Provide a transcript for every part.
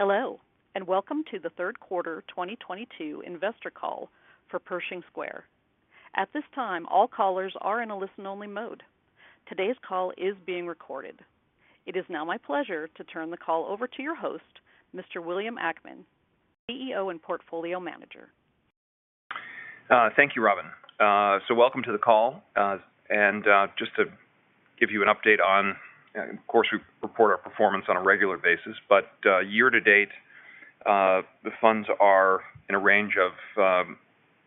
Hello and welcome to the Third Quarter 2022 Investor Call for Pershing Square. At this time, all callers are in a listen-only mode. Today's call is being recorded. It is now my pleasure to turn the call over to your host, Mr. William Ackman, CEO and Portfolio Manager. Thank you, Robin. Welcome to the call. Of course, we report our performance on a regular basis. Year to date, the funds are in a range of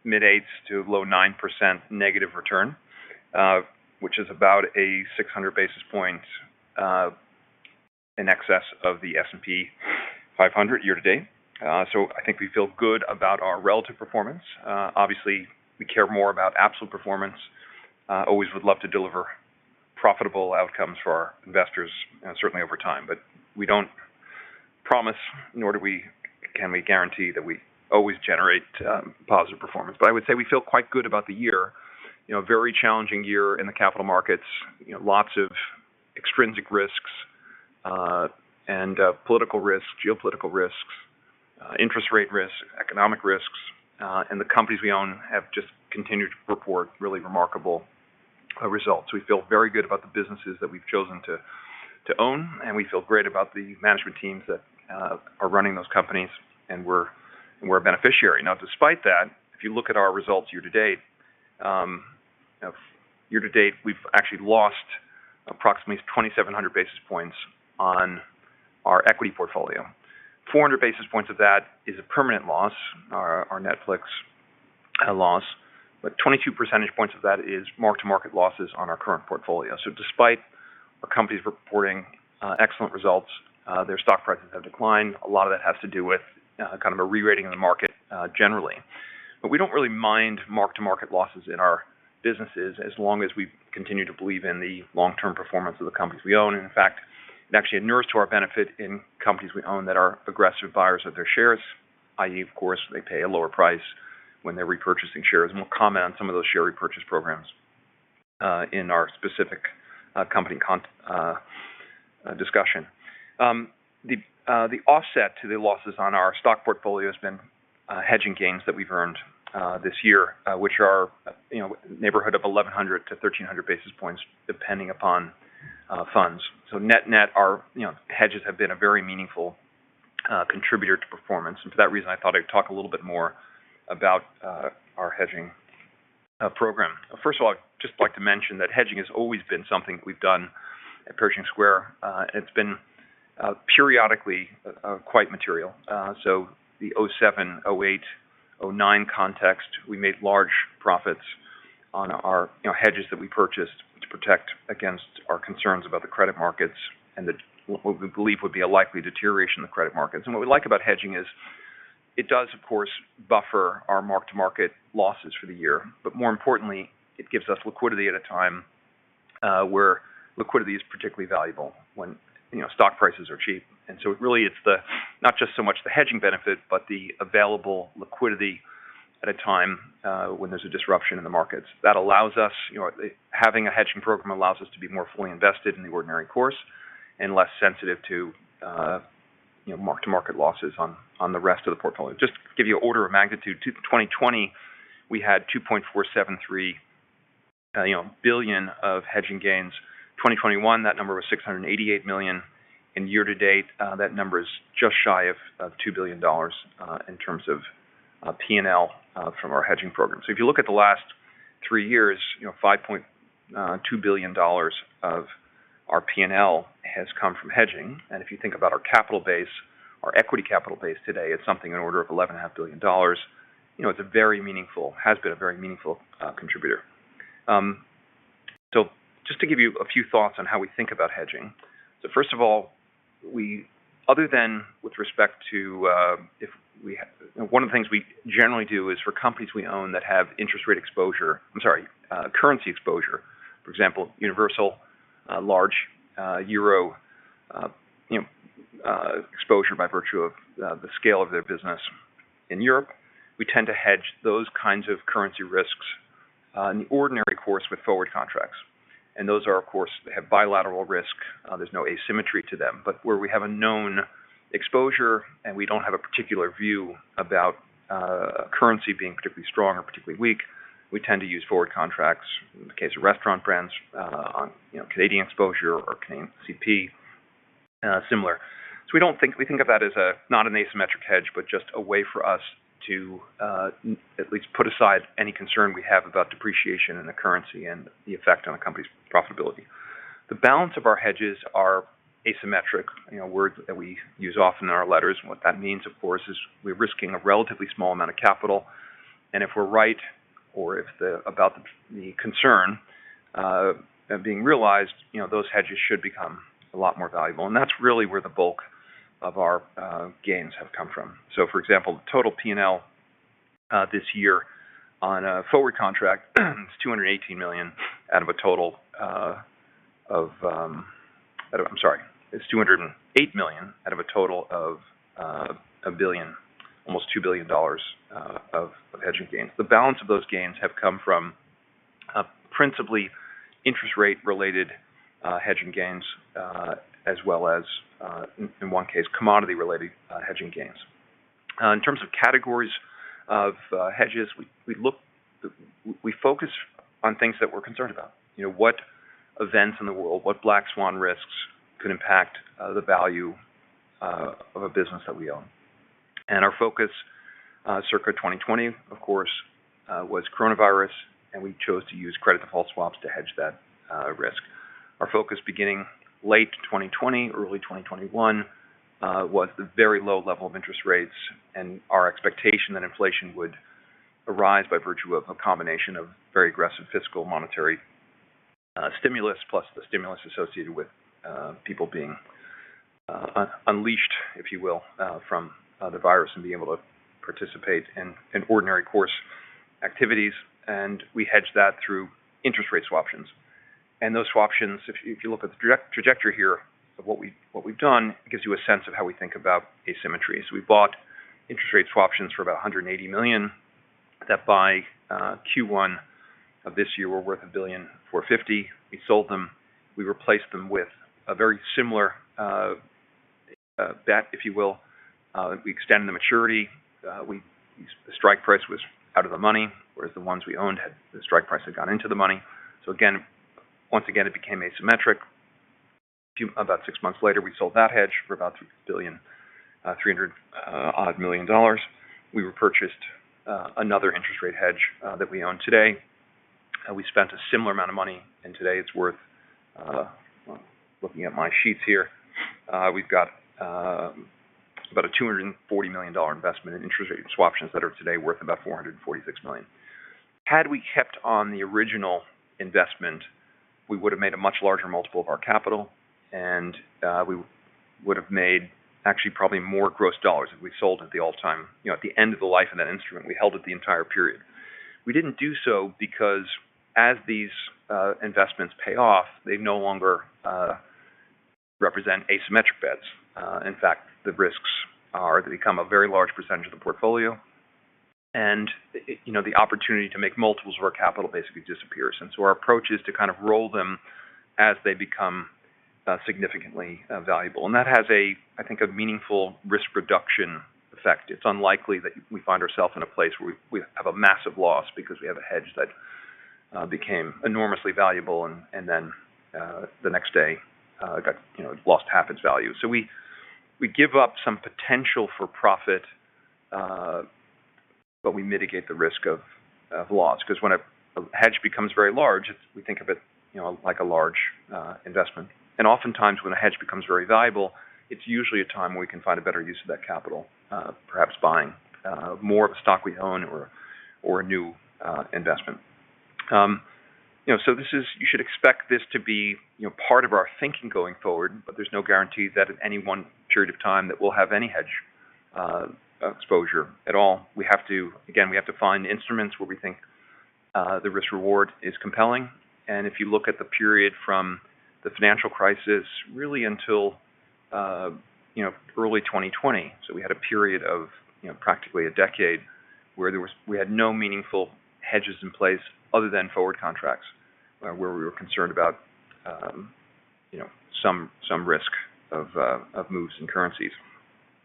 mid 8s to low 9% negative return, which is about 600 basis points in excess of the S&P 500 year to date. I think we feel good about our relative performance. Obviously, we care more about absolute performance, always would love to deliver profitable outcomes for our investors, certainly over time. We don't promise, nor can we guarantee that we always generate positive performance. I would say we feel quite good about the year, you know, a very challenging year in the capital markets, you know, lots of extrinsic risks and political risks, geopolitical risks, interest rate risks, economic risks, and the companies we own have just continued to report really remarkable results. We feel very good about the businesses that we've chosen to own, and we feel great about the management teams that are running those companies, and we're a beneficiary. Now, despite that, if you look at our results, you know, year to date, we've actually lost approximately 2,700 basis points on our equity portfolio. 400 basis points of that is a permanent loss. Our Netflix loss. 22 percentage points of that is mark-to-market losses on our current portfolio. Despite our companies reporting excellent results, their stock prices have declined. A lot of that has to do with kind of a rerating in the market generally. We don't really mind mark-to-market losses in our businesses as long as we continue to believe in the long-term performance of the companies we own. In fact, it actually inures to our benefit in companies we own that are aggressive buyers of their shares, i.e., of course, they pay a lower price when they're repurchasing shares. We'll comment on some of those share repurchase programs in our specific company discussion. The offset to the losses on our stock portfolio has been hedging gains that we've earned this year, which are, you know, neighborhood of 1,100-1,300 basis points, depending upon funds. Net-net, our, you know, hedges have been a very meaningful contributor to performance. For that reason, I thought I'd talk a little bit more about our hedging program. First of all, I'd just like to mention that hedging has always been something we've done at Pershing Square. It's been periodically quite material. The 2007, 2008, 2009 context, we made large profits on our, you know, hedges that we purchased to protect against our concerns about the credit markets and what we believe would be a likely deterioration in the credit markets. And what we like about hedging is it does, of course, buffer our mark-to-market losses for the year. But more importantly, it gives us liquidity at a time, uh, where liquidity is particularly valuable when, you know, stock prices are cheap. And so it really is the-- not just so much the hedging benefit, but the available liquidity at a time, uh, when there's a disruption in the markets. That allows us, you know, having a hedging program allows us to be more fully invested in the ordinary course and less sensitive to, uh, you know, mark-to-market losses on the rest of the portfolio. Just to give you an order of magnitude, two-- 2020, we had 2.473 billion of hedging gains. 2021, that number was 688 million. Year to date, that number is just shy of $2 billion in terms of P&L from our hedging program. If you look at the last three years, you know, $5.2 billion of our P&L has come from hedging. If you think about our capital base, our equity capital base today, it's something in order of $11.5 billion. You know, it has been a very meaningful contributor. Just to give you a few thoughts on how we think about hedging. First of all, one of the things we generally do is for companies we own that have currency exposure. For example, Universal, large euro, you know, exposure by virtue of the scale of their business in Europe. We tend to hedge those kinds of currency risks in the ordinary course with forward contracts. Of course, they have bilateral risk. There's no asymmetry to them. Where we have a known exposure, and we don't have a particular view about currency being particularly strong or particularly weak, we tend to use forward contracts. In the case of Restaurant Brands, on, you know, Canadian exposure or Canadian CP, similar. We think of that as not an asymmetric hedge, but just a way for us to at least put aside any concern we have about depreciation in the currency and the effect on a company's profitability. The balance of our hedges are asymmetric, you know, a word that we use often in our letters. What that means, of course, is we're risking a relatively small amount of capital. If we're right, or about the concern being realized, you know, those hedges should become a lot more valuable. That's really where the bulk of our gains have come from. For example, the total P&L this year on a forward contract is $280 million out of a total of, I'm sorry. It's $208 million out of a total of $1 billion, almost $2 billion of hedging gains. The balance of those gains have come from principally interest rate related hedging gains as well as, in one case, commodity related hedging gains. In terms of categories of hedges, we focus on things that we're concerned about. You know, what events in the world, what black swan risks could impact the value of a business that we own? Our focus circa 2020, of course, was coronavirus, and we chose to use credit default swaps to hedge that risk. Our focus beginning late 2020, early 2021, was the very low level of interest rates and our expectation that inflation would arise by virtue of a combination of very aggressive fiscal monetary stimulus, plus the stimulus associated with people being unleashed, if you will, from the virus and being able to participate in ordinary course activities. We hedged that through interest rate swaptions. Those swap options, if you look at the trajectory here of what we've done, it gives you a sense of how we think about asymmetries. We bought interest rate swaptions for about $180 million that by Q1 of this year were worth $1.05 billion. We sold them. We replaced them with a very similar bet, if you will. We extended the maturity. The strike price was out of the money, whereas the ones we owned, the strike price had gone into the money. Again, once again, it became asymmetric. About six months later, we sold that hedge for about $1.3 billion-odd. We repurchased another interest rate hedge that we own today. We spent a similar amount of money. Looking at my sheets here, we've got about a $240 million investment in interest rate swaptions that are today worth about $446 million. Had we kept on the original investment, we would have made a much larger multiple of our capital. We would have made actually probably more gross dollars if we sold, you know, at the end of the life of that instrument we held it the entire period. We didn't do so because as these investments pay off, they no longer represent asymmetric bets. In fact, the risks are, they become a very large percentage of the portfolio. You know, the opportunity to make multiples of our capital basically disappears. Our approach is to kind of roll them as they become significantly valuable. That has, I think, a meaningful risk reduction effect. It's unlikely that we find ourselves in a place where we have a massive loss because we have a hedge that became enormously valuable and then the next day, you know, lost half its value. We give up some potential for profit, but we mitigate the risk of loss. Because when a hedge becomes very large, we think of it, you know, like a large investment. Oftentimes when a hedge becomes very valuable, it's usually a time where we can find a better use of that capital, perhaps buying more of a stock we own or a new investment. You know, you should expect this to be, you know, part of our thinking going forward, but there's no guarantee that at any one period of time that we'll have any hedge exposure at all. Again, we have to find instruments where we think the risk-reward is compelling. If you look at the period from the financial crisis really until, you know, early 2020, we had a period of, you know, practically a decade where we had no meaningful hedges in place other than forward contracts where we were concerned about, you know, some risk of moves in currencies.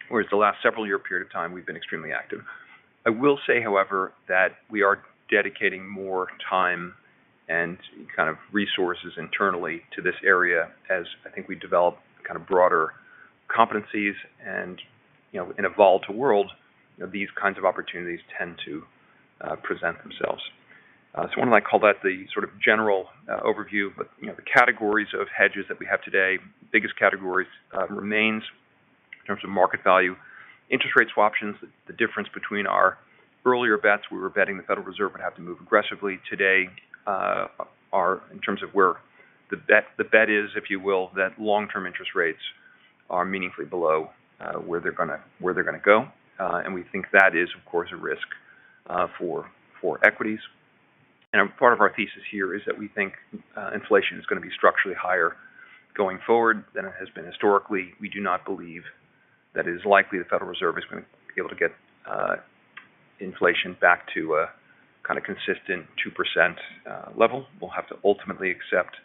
Whereas the last several-year period of time, we've been extremely active. I will say, however, that we are dedicating more time and kind of resources internally to this area as I think we develop kind of broader competencies and, you know, in a volatile world, these kinds of opportunities tend to present themselves. It's one like, call that the sort of general overview of, you know, the categories of hedges that we have today. Biggest categories remains in terms of market value. Interest rate swaptions, the difference between our earlier bets, we were betting the Federal Reserve would have to move aggressively. Today are in terms of where the bet is, if you will, that long-term interest rates are meaningfully below where they're gonna go. We think that is, of course, a risk for equities. Part of our thesis here is that we think inflation is gonna be structurally higher going forward than it has been historically. We do not believe that it is likely the Federal Reserve is going to be able to get inflation back to a kind of consistent 2% level. We'll have to ultimately accept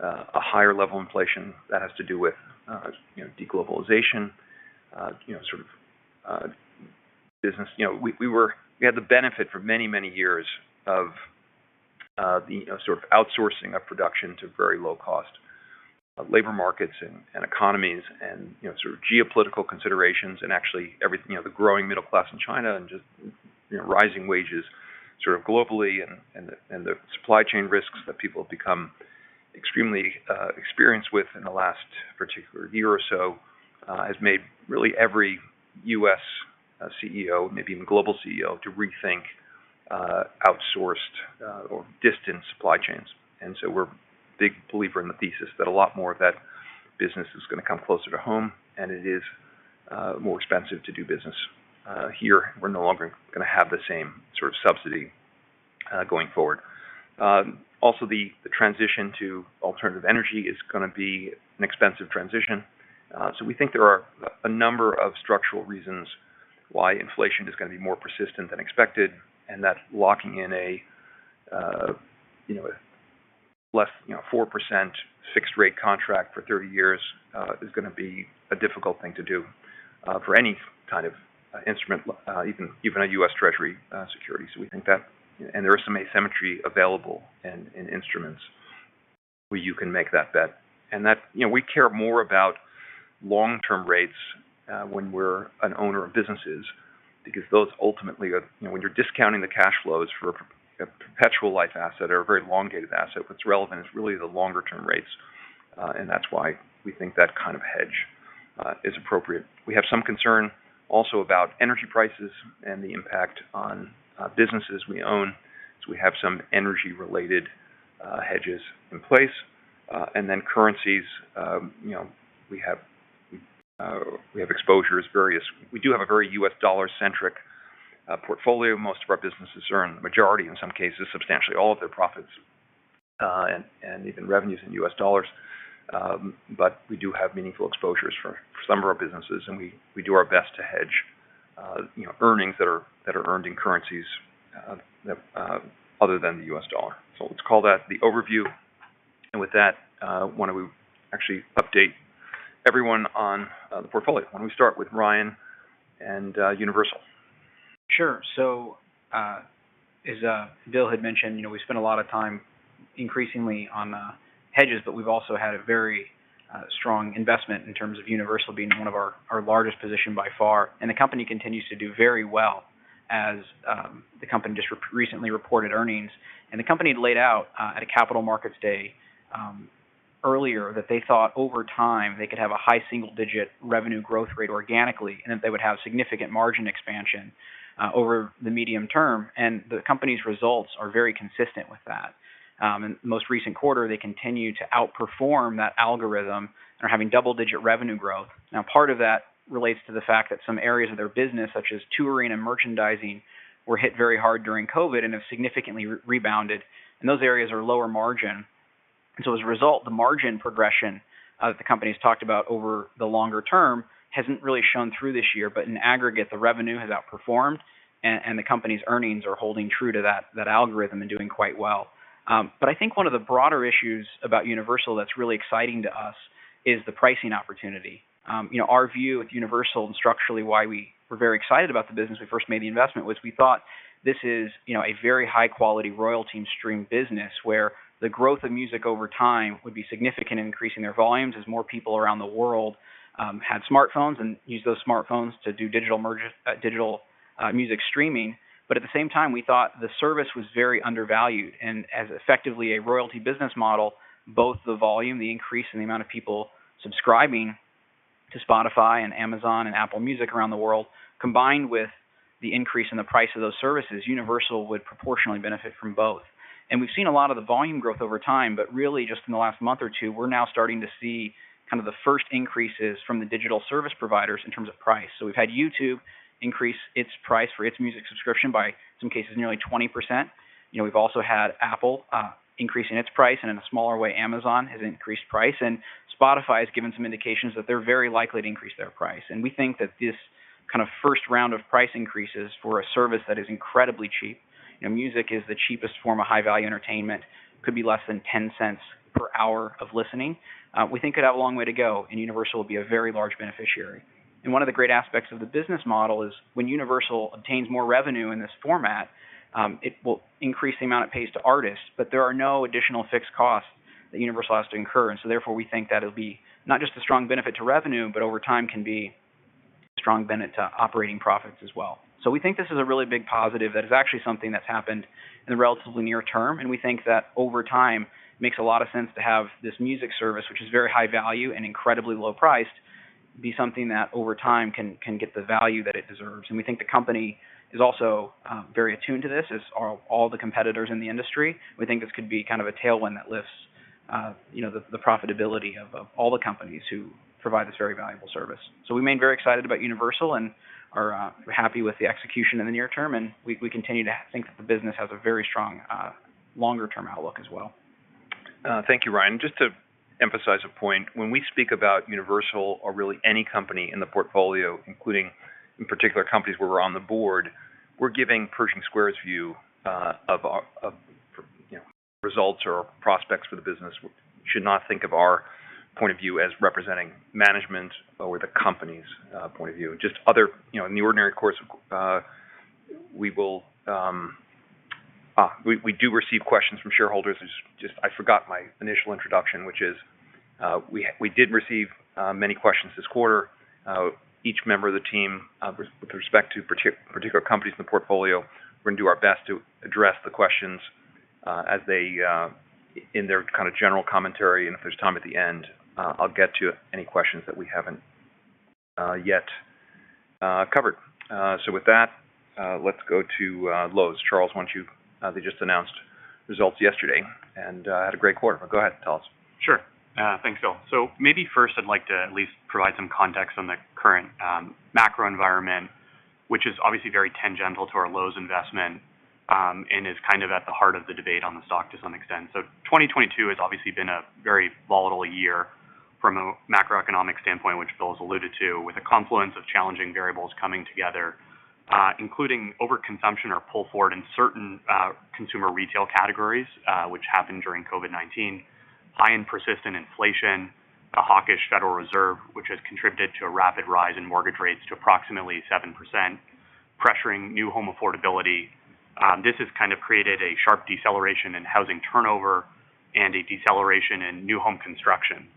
a higher level inflation that has to do with, you know, de-globalization. You know, we had the benefit for many years of the sort of outsourcing of production to very low cost labor markets and economies and, you know, sort of geopolitical considerations and actually, you know, the growing middle class in China and just, you know, rising wages sort of globally and the supply chain risks that people have become extremely experienced with in the last particular year or so has made really every U.S. CEO, maybe even global CEO, to rethink outsourced or distant supply chains. We're a big believer in the thesis that a lot more of that business is gonna come closer to home, and it is more expensive to do business here. We're no longer gonna have the same sort of subsidy going forward. Also, the transition to alternative energy is gonna be an expensive transition. We think there are a number of structural reasons why inflation is gonna be more persistent than expected, and that locking in a, you know, 4% fixed rate contract for 30 years is gonna be a difficult thing to do for any kind of instrument, even a U.S. Treasury security. There is some asymmetry available in instruments where you can make that bet. You know, we care more about long-term rates when we're an owner of businesses. You know, when you're discounting the cash flows for a perpetual life asset or a very elongated asset, what's relevant is really the longer-term rates. That's why we think that kind of hedge is appropriate. We have some concern also about energy prices and the impact on businesses we own, so we have some energy-related hedges in place. Currencies, you know, we have exposures. We do have a very U.S. dollar-centric portfolio. Most of our businesses earn the majority, in some cases, substantially all of their profits and even revenues in U.S. dollars. We do have meaningful exposures for some of our businesses, and we do our best to hedge, you know, earnings that are earned in currencies other than the U.S. dollar. Let's call that the overview. With that, why don't we actually update everyone on the portfolio? Why don't we start with Ryan and Universal? Sure. As Bill had mentioned, you know, we spend a lot of time increasingly on hedges, but we've also had a very strong investment in terms of Universal being one of our largest position by far. The company continues to do very well as the company just recently reported earnings. The company had laid out at a Capital Markets Day earlier that they thought over time they could have a high single-digit revenue growth rate organically, and that they would have significant margin expansion over the medium term. The company's results are very consistent with that. In the most recent quarter, they continued to outperform that algorithm and are having double-digit revenue growth. Now, part of that relates to the fact that some areas of their business, such as touring and merchandising, were hit very hard during COVID and have significantly rebounded, and those areas are lower margin. As a result, the margin progression that the company's talked about over the longer term hasn't really shown through this year. In aggregate, the revenue has outperformed and the company's earnings are holding true to that algorithm and doing quite well. I think one of the broader issues about Universal that's really exciting to us is the pricing opportunity. You know, our view with Universal and structurally why we were very excited about the business we first made the investment was we thought this is, you know, a very high quality royalty and stream business, where the growth of music over time would be significant in increasing their volumes as more people around the world had smartphones and used those smartphones to do digital music streaming. At the same time, we thought the service was very undervalued. As effectively a royalty business model, both the volume, the increase in the amount of people subscribing to Spotify and Amazon and Apple Music around the world, combined with the increase in the price of those services, Universal would proportionally benefit from both. We've seen a lot of the volume growth over time, but really just in the last month or two, we're now starting to see kind of the first increases from the digital service providers in terms of price. We've had YouTube increase its price for its music subscription by, in some cases, nearly 20%. You know, we've also had Apple increasing its price, and in a smaller way, Amazon has increased price. Spotify has given some indications that they're very likely to increase their price. We think that this kind of first round of price increases for a service that is incredibly cheap, you know, music is the cheapest form of high value entertainment, could be less than $0.10 per hour of listening. We think it has a long way to go, and Universal will be a very large beneficiary. One of the great aspects of the business model is when Universal obtains more revenue in this format, it will increase the amount it pays to artists, but there are no additional fixed costs that Universal has to incur. Therefore, we think that it'll be not just a strong benefit to revenue, but over time can be a strong benefit to operating profits as well. We think this is a really big positive that is actually something that's happened in the relatively near term, and we think that over time makes a lot of sense to have this music service, which is very high value and incredibly low priced, be something that over time can get the value that it deserves. We think the company is also very attuned to this, as are all the competitors in the industry. We think this could be kind of a tailwind that lifts, you know, the profitability of all the companies who provide this very valuable service. We remain very excited about Universal and are happy with the execution in the near term, and we continue to think that the business has a very strong longer term outlook as well. Thank you, Ryan. Just to emphasize a point, when we speak about Universal or really any company in the portfolio, including in particular companies where we're on the board, we're giving Pershing Square's view of, you know, results or prospects for the business. We should not think of our point of view as representing management or the company's point of view. You know, in the ordinary course, we do receive questions from shareholders. It's just I forgot my initial introduction, which is we did receive many questions this quarter. Each member of the team with respect to particular companies in the portfolio, we're gonna do our best to address the questions in their kind of general commentary. If there's time at the end, I'll get to any questions that we haven't yet covered. With that, let's go to Lowe's. Charles, they just announced results yesterday and had a great quarter. Go ahead, tell us. Sure. Thanks, Bill. Maybe first I'd like to at least provide some context on the current macro environment, which is obviously very tangential to our Lowe's investment and is kind of at the heart of the debate on the stock to some extent. 2022 has obviously been a very volatile year from a macroeconomic standpoint, which Bill has alluded to, with a confluence of challenging variables coming together, including overconsumption or pull forward in certain consumer retail categories, which happened during COVID-19. High and persistent inflation, a hawkish Federal Reserve, which has contributed to a rapid rise in mortgage rates to approximately 7%, pressuring new home affordability. This has kind of created a sharp deceleration in housing turnover and a deceleration in new home construction.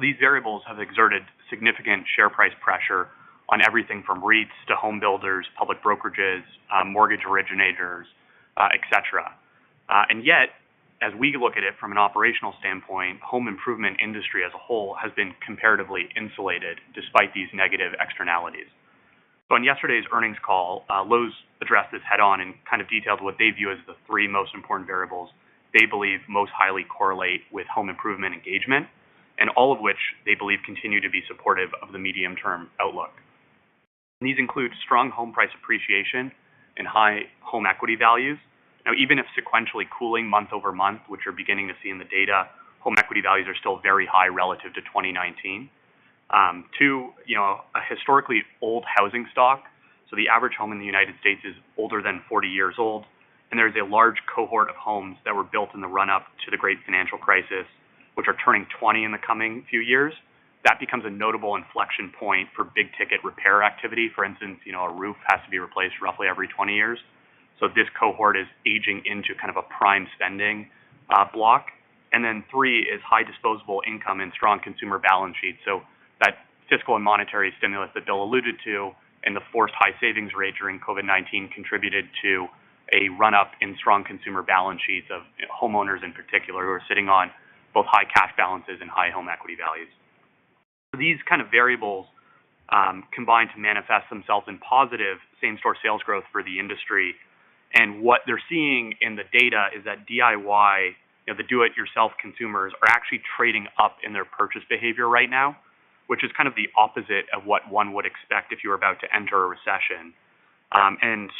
These variables have exerted significant share price pressure on everything from REITs to home builders, public brokerages, mortgage originators, et cetera. Yet, as we look at it from an operational standpoint, home improvement industry as a whole has been comparatively insulated despite these negative externalities. In yesterday's earnings call, Lowe's addressed this head-on and kind of detailed what they view as the three most important variables they believe most highly correlate with home improvement engagement, and all of which they believe continue to be supportive of the medium-term outlook. These include strong home price appreciation and high home equity values. Now, even if sequentially cooling month-over-month, which we're beginning to see in the data, home equity values are still very high relative to 2019. Two, you know, a historically old housing stock. The average home in the United States is older than 40 years old, and there's a large cohort of homes that were built in the run-up to the Great Financial Crisis, which are turning 20 in the coming few years. That becomes a notable inflection point for big-ticket repair activity. For instance, you know, a roof has to be replaced roughly every 20 years. This cohort is aging into kind of a prime spending block. three is high disposable income and strong consumer balance sheets. That fiscal and monetary stimulus that Bill alluded to and the forced high savings rate during COVID-19 contributed to a run-up in strong consumer balance sheets of homeowners in particular, who are sitting on both high cash balances and high home equity values. These kind of variables combine to manifest themselves in positive same-store sales growth for the industry. What they're seeing in the data is that DIY, you know, the do-it-yourself consumers, are actually trading up in their purchase behavior right now, which is kind of the opposite of what one would expect if you were about to enter a recession.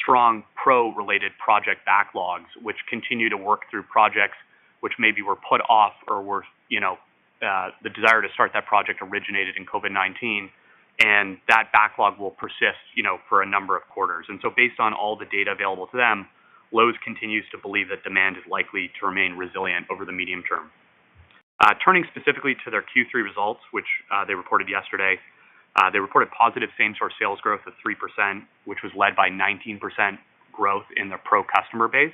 Strong pro-related project backlogs, which continue to work through projects which maybe were put off or, you know, the desire to start that project originated in COVID-19, and that backlog will persist, you know, for a number of quarters. Based on all the data available to them, Lowe's continues to believe that demand is likely to remain resilient over the medium term. Turning specifically to their Q3 results, which they reported yesterday. They reported positive same-store sales growth of 3%, which was led by 19% growth in their pro customer base.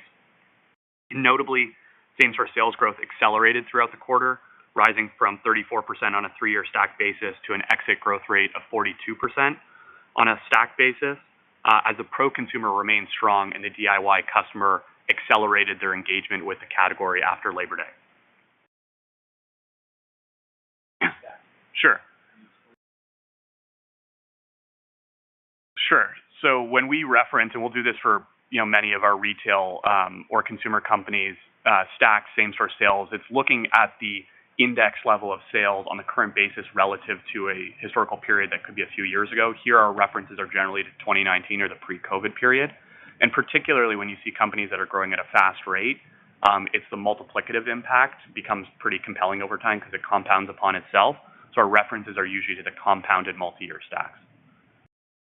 Notably, same-store sales growth accelerated throughout the quarter, rising from 34% on a three-year stack basis to an exit growth rate of 42% on a stack basis as the pro consumer remained strong and the DIY customer accelerated their engagement with the category after Labor Day. Sure. Sure. When we reference, and we'll do this for you know, many of our retail or consumer companies, stack same-store sales, it's looking at the index level of sales on a current basis relative to a historical period that could be a few years ago. Here, our references are generally to 2019 or the pre-COVID period. Particularly when you see companies that are growing at a fast rate, the multiplicative impact becomes pretty compelling over time because it compounds upon itself. Our references are usually to the compounded multi-year stacks.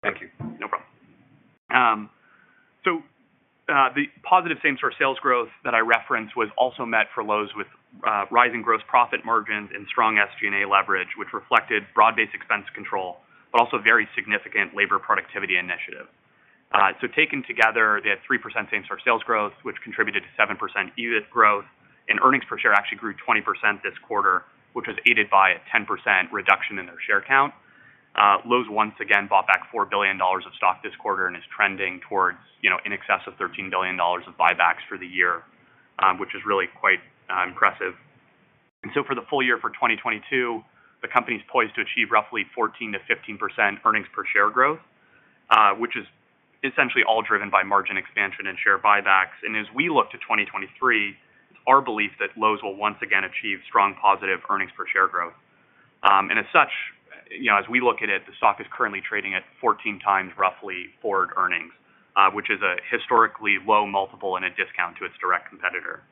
Thank you. No problem. The positive same-store sales growth that I referenced was also met for Lowe's with rising gross profit margins and strong SG&A leverage, which reflected broad-based expense control, but also very significant labor productivity initiative. Taken together, they had 3% same-store sales growth, which contributed to 7% EBIT growth, and earnings per share actually grew 20% this quarter, which was aided by a 10% reduction in their share count. Lowe's once again bought back $4 billion of stock this quarter and is trending towards, you know, in excess of $13 billion of buybacks for the year, which is really quite impressive. For the full year for 2022, the company's poised to achieve roughly 14%-15% earnings per share growth, which is essentially all driven by margin expansion and share buybacks. As we look to 2023, it's our belief that Lowe's will once again achieve strong positive earnings per share growth. As such, you know, as we look at it, the stock is currently trading at 14 times roughly forward earnings, which is a historically low multiple and a discount to its direct competitor.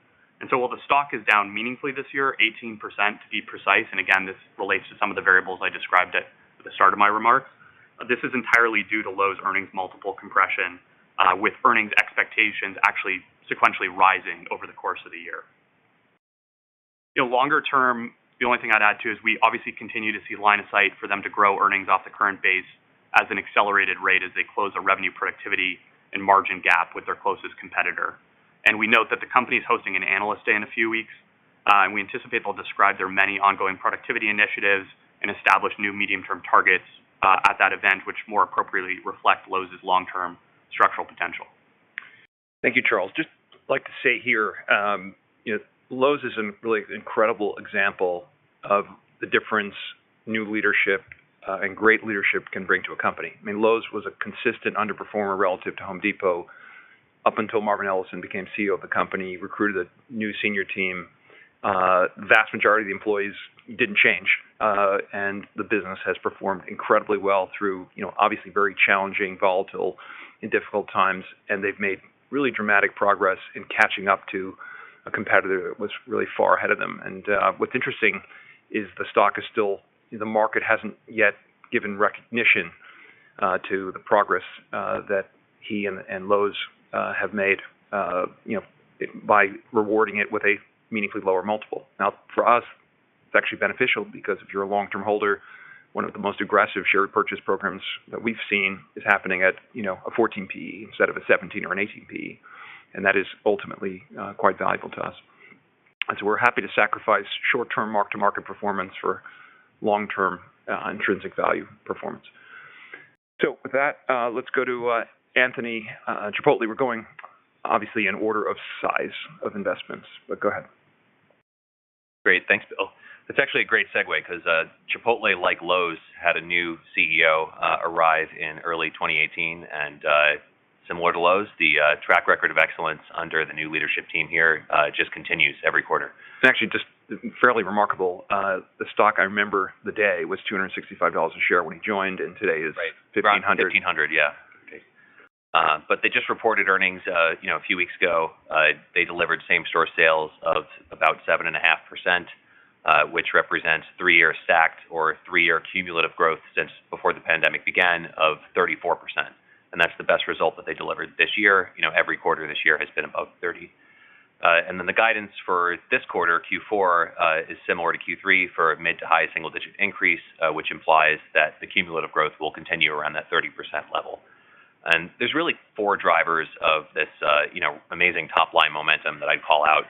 While the stock is down meaningfully this year, 18% to be precise, and again, this relates to some of the variables I described at the start of my remarks. This is entirely due to Lowe's earnings multiple compression, with earnings expectations actually sequentially rising over the course of the year. You know, longer term, the only thing I'd add, too, is we obviously continue to see line of sight for them to grow earnings off the current base as an accelerated rate as they close a revenue productivity and margin gap with their closest competitor. We note that the company is hosting an analyst day in a few weeks and we anticipate they'll describe their many ongoing productivity initiatives and establish new medium-term targets at that event, which more appropriately reflect Lowe's long-term structural potential. Thank you, Charles. Just like to say here, you know, Lowe's is a really incredible example of the difference new leadership and great leadership can bring to a company. I mean, Lowe's was a consistent underperformer relative to Home Depot up until Marvin Ellison became CEO of the company, recruited a new senior team. Vast majority of the employees didn't change, and the business has performed incredibly well through, you know, obviously very challenging, volatile, and difficult times. They've made really dramatic progress in catching up to a competitor that was really far ahead of them. What's interesting is the market hasn't yet given recognition to the progress that he and Lowe's have made, you know, by rewarding it with a meaningfully lower multiple. Now, for us, it's actually beneficial because if you're a long-term holder, one of the most aggressive share purchase programs that we've seen is happening at, you know, a 14 PE instead of a 17 or an 18 PE. That is ultimately quite valuable to us. We're happy to sacrifice short-term mark-to-market performance for long-term intrinsic value performance. With that, let's go to Anthony, Chipotle. We're going obviously in order of size of investments, but go ahead. Great. Thanks, Bill. That's actually a great segue because Chipotle, like Lowe's, had a new CEO arrive in early 2018. Similar to Lowe's, the track record of excellence under the new leadership team here just continues every quarter. It's actually just fairly remarkable. The stock, I remember the day, was $265 a share when he joined. Right. Around 1,500. Yeah. Okay. They just reported earnings, you know, a few weeks ago. They delivered same-store sales of about 7.5%, which represents three-year stacked or three-year cumulative growth since before the pandemic began of 34%. That's the best result that they delivered this year. You know, every quarter this year has been above 30%. The guidance for this quarter, Q4, is similar to Q3 for a mid to high single-digit increase, which implies that the cumulative growth will continue around that 30% level. There's really four drivers of this, you know, amazing top-line momentum that I'd call out.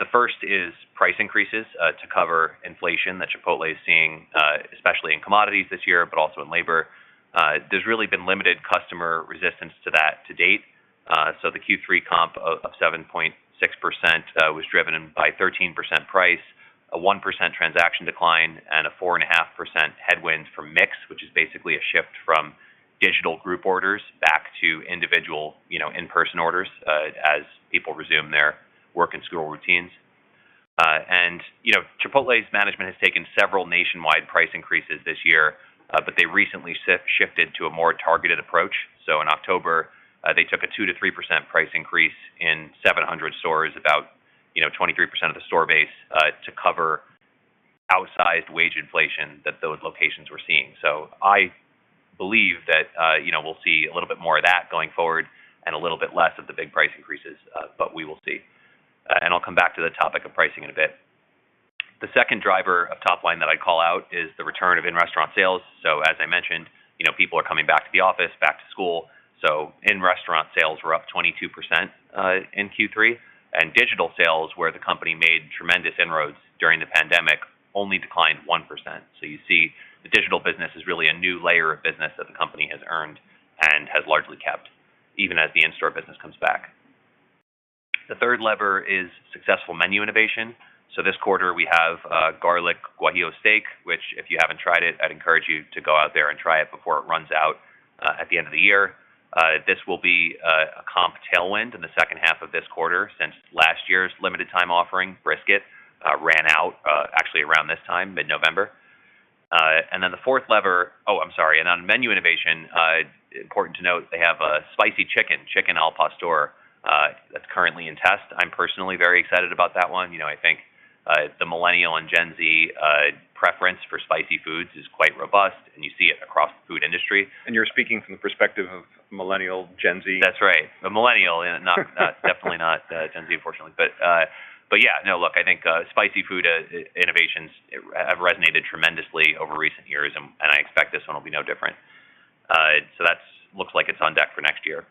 The first is price increases to cover inflation that Chipotle is seeing, especially in commodities this year, but also in labor. There's really been limited customer resistance to that to date. The Q3 comp of 7.6% was driven by 13% price, a 1% transaction decline, and a 4.5% headwind from mix, which is basically a shift from digital group orders back to individual, you know, in-person orders as people resume their work and school routines. You know, Chipotle's management has taken several nationwide price increases this year, but they recently shifted to a more targeted approach. In October, they took a 2%-3% price increase in 700 stores, about, you know, 23% of the store base, to cover outsized wage inflation that those locations were seeing. I believe that, you know, we'll see a little bit more of that going forward and a little bit less of the big price increases, but we will see. I'll come back to the topic of pricing in a bit. The second driver of top line that I'd call out is the return of in-restaurant sales. As I mentioned, you know, people are coming back to the office, back to school. In-restaurant sales were up 22% in Q3. Digital sales, where the company made tremendous inroads during the pandemic, only declined 1%. You see the digital business is really a new layer of business that the company has earned and has largely kept, even as the in-store business comes back. The third lever is successful menu innovation. This quarter, we have Garlic Guajillo Steak, which, if you haven't tried it, I'd encourage you to go out there and try it before it runs out at the end of the year. This will be a comp tailwind in the second half of this quarter since last year's limited time offering, brisket, ran out actually around this time, mid-November. Oh, I'm sorry. On menu innovation, important to note, they have a spicy chicken, Chicken al Pastor, that's currently in test. I'm personally very excited about that one. You know, I think the Millennial and Gen Z preference for spicy foods is quite robust, and you see it across the food industry. You're speaking from the perspective of Millennial, Gen Z. That's right. A Millennial, definitely not Gen Z, unfortunately. Yeah. No, look, I think spicy food innovations have resonated tremendously over recent years, and I expect this one will be no different. That looks like it's on deck for next year.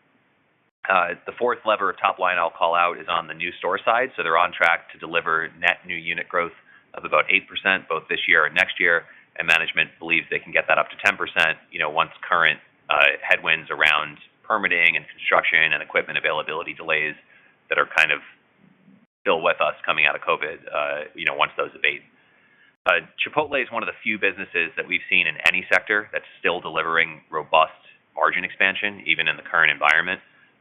The fourth lever of top line I'll call out is on the new store side. They're on track to deliver net new unit growth of about 8% both this year and next year. Management believes they can get that up to 10%, you know, once current headwinds around permitting and construction and equipment availability delays that are kind of still with us coming out of COVID, you know, once those abate. Chipotle is one of the few businesses that we've seen in any sector that's still delivering robust margin expansion, even in the current environment.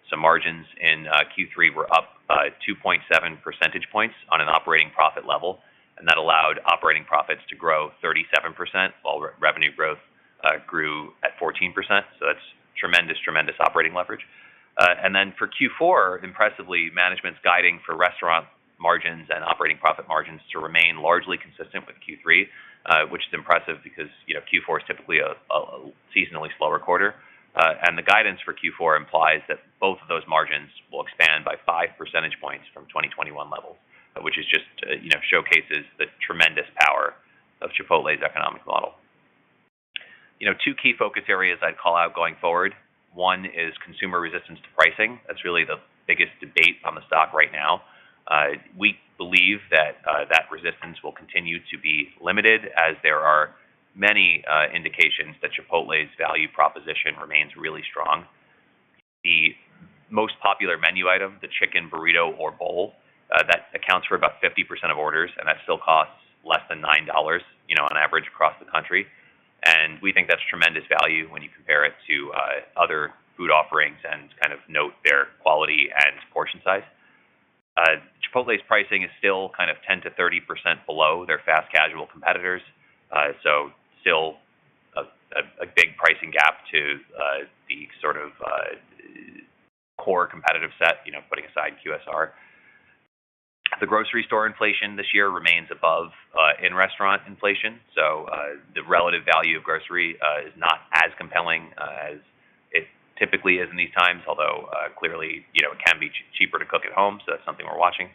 Some margins in Q3 were up 2.7 percentage points on an operating profit level, and that allowed operating profits to grow 37%, while revenue growth grew at 14%. That's tremendous operating leverage. For Q4, impressively, management's guiding for restaurant margins and operating profit margins to remain largely consistent with Q3, which is impressive because, you know, Q4 is typically a seasonally slower quarter. The guidance for Q4 implies that both of those margins will expand by 5 percentage points from 2021 levels, which, you know, showcases the tremendous power of Chipotle's economic model. You know, two key focus areas I'd call out going forward. One is consumer resistance to pricing. That's really the biggest debate on the stock right now. We believe that resistance will continue to be limited, as there are many indications that Chipotle's value proposition remains really strong. The most popular menu item, the chicken burrito or bowl, that accounts for about 50% of orders, and that still costs less than $9, you know, on average across the country. We think that's tremendous value when you compare it to other food offerings and kind of note their quality and portion size. Chipotle's pricing is still kind of 10%-30% below their fast-casual competitors. Still a big pricing gap to core competitive set, you know, putting aside QSR. The grocery store inflation this year remains above in-restaurant inflation. The relative value of grocery is not as compelling as it typically is in these times, although clearly, you know, it can be cheaper to cook at home. That's something we're watching.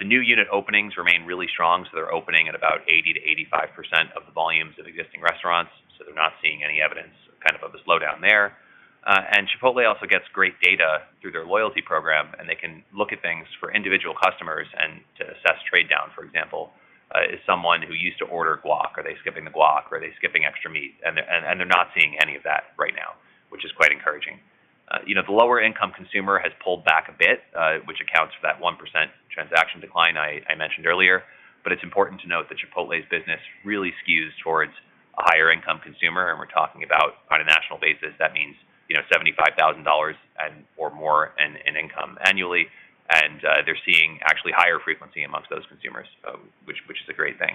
The new unit openings remain really strong, so they're opening at about 80%-85% of the volumes of existing restaurants, so they're not seeing any evidence kind of a slowdown there. Chipotle also gets great data through their loyalty program, and they can look at things for individual customers and to assess trade down. For example, is someone who used to order guac, are they skipping the guac? Are they skipping extra meat? They're not seeing any of that right now, which is quite encouraging. You know, the lower income consumer has pulled back a bit, which accounts for that 1% transaction decline I mentioned earlier. It's important to note that Chipotle's business really skews towards a higher income consumer, and we're talking about on a national basis, that means, you know, $75,000 or more in income annually. They're seeing actually higher frequency amongst those consumers, which is a great thing.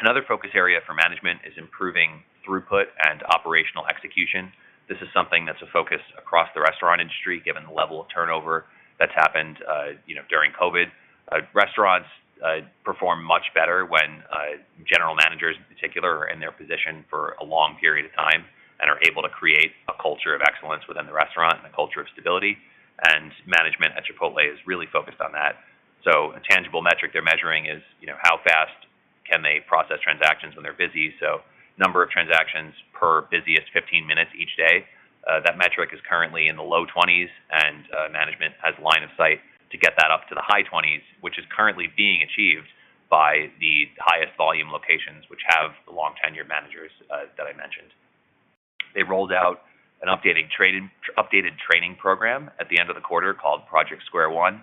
Another focus area for management is improving throughput and operational execution. This is something that's a focus across the restaurant industry, given the level of turnover that's happened, you know, during COVID. Restaurants perform much better when general managers in particular are in their position for a long period of time and are able to create a culture of excellence within the restaurant and a culture of stability. Management at Chipotle is really focused on that. A tangible metric they're measuring is, you know, how fast can they process transactions when they're busy. Number of transactions per busiest 15 minutes each day. That metric is currently in the low 20s, and management has line of sight to get that up to the high 20s, which is currently being achieved by the highest volume locations, which have the long tenure managers that I mentioned. They rolled out an updated training program at the end of the quarter called Project Square One.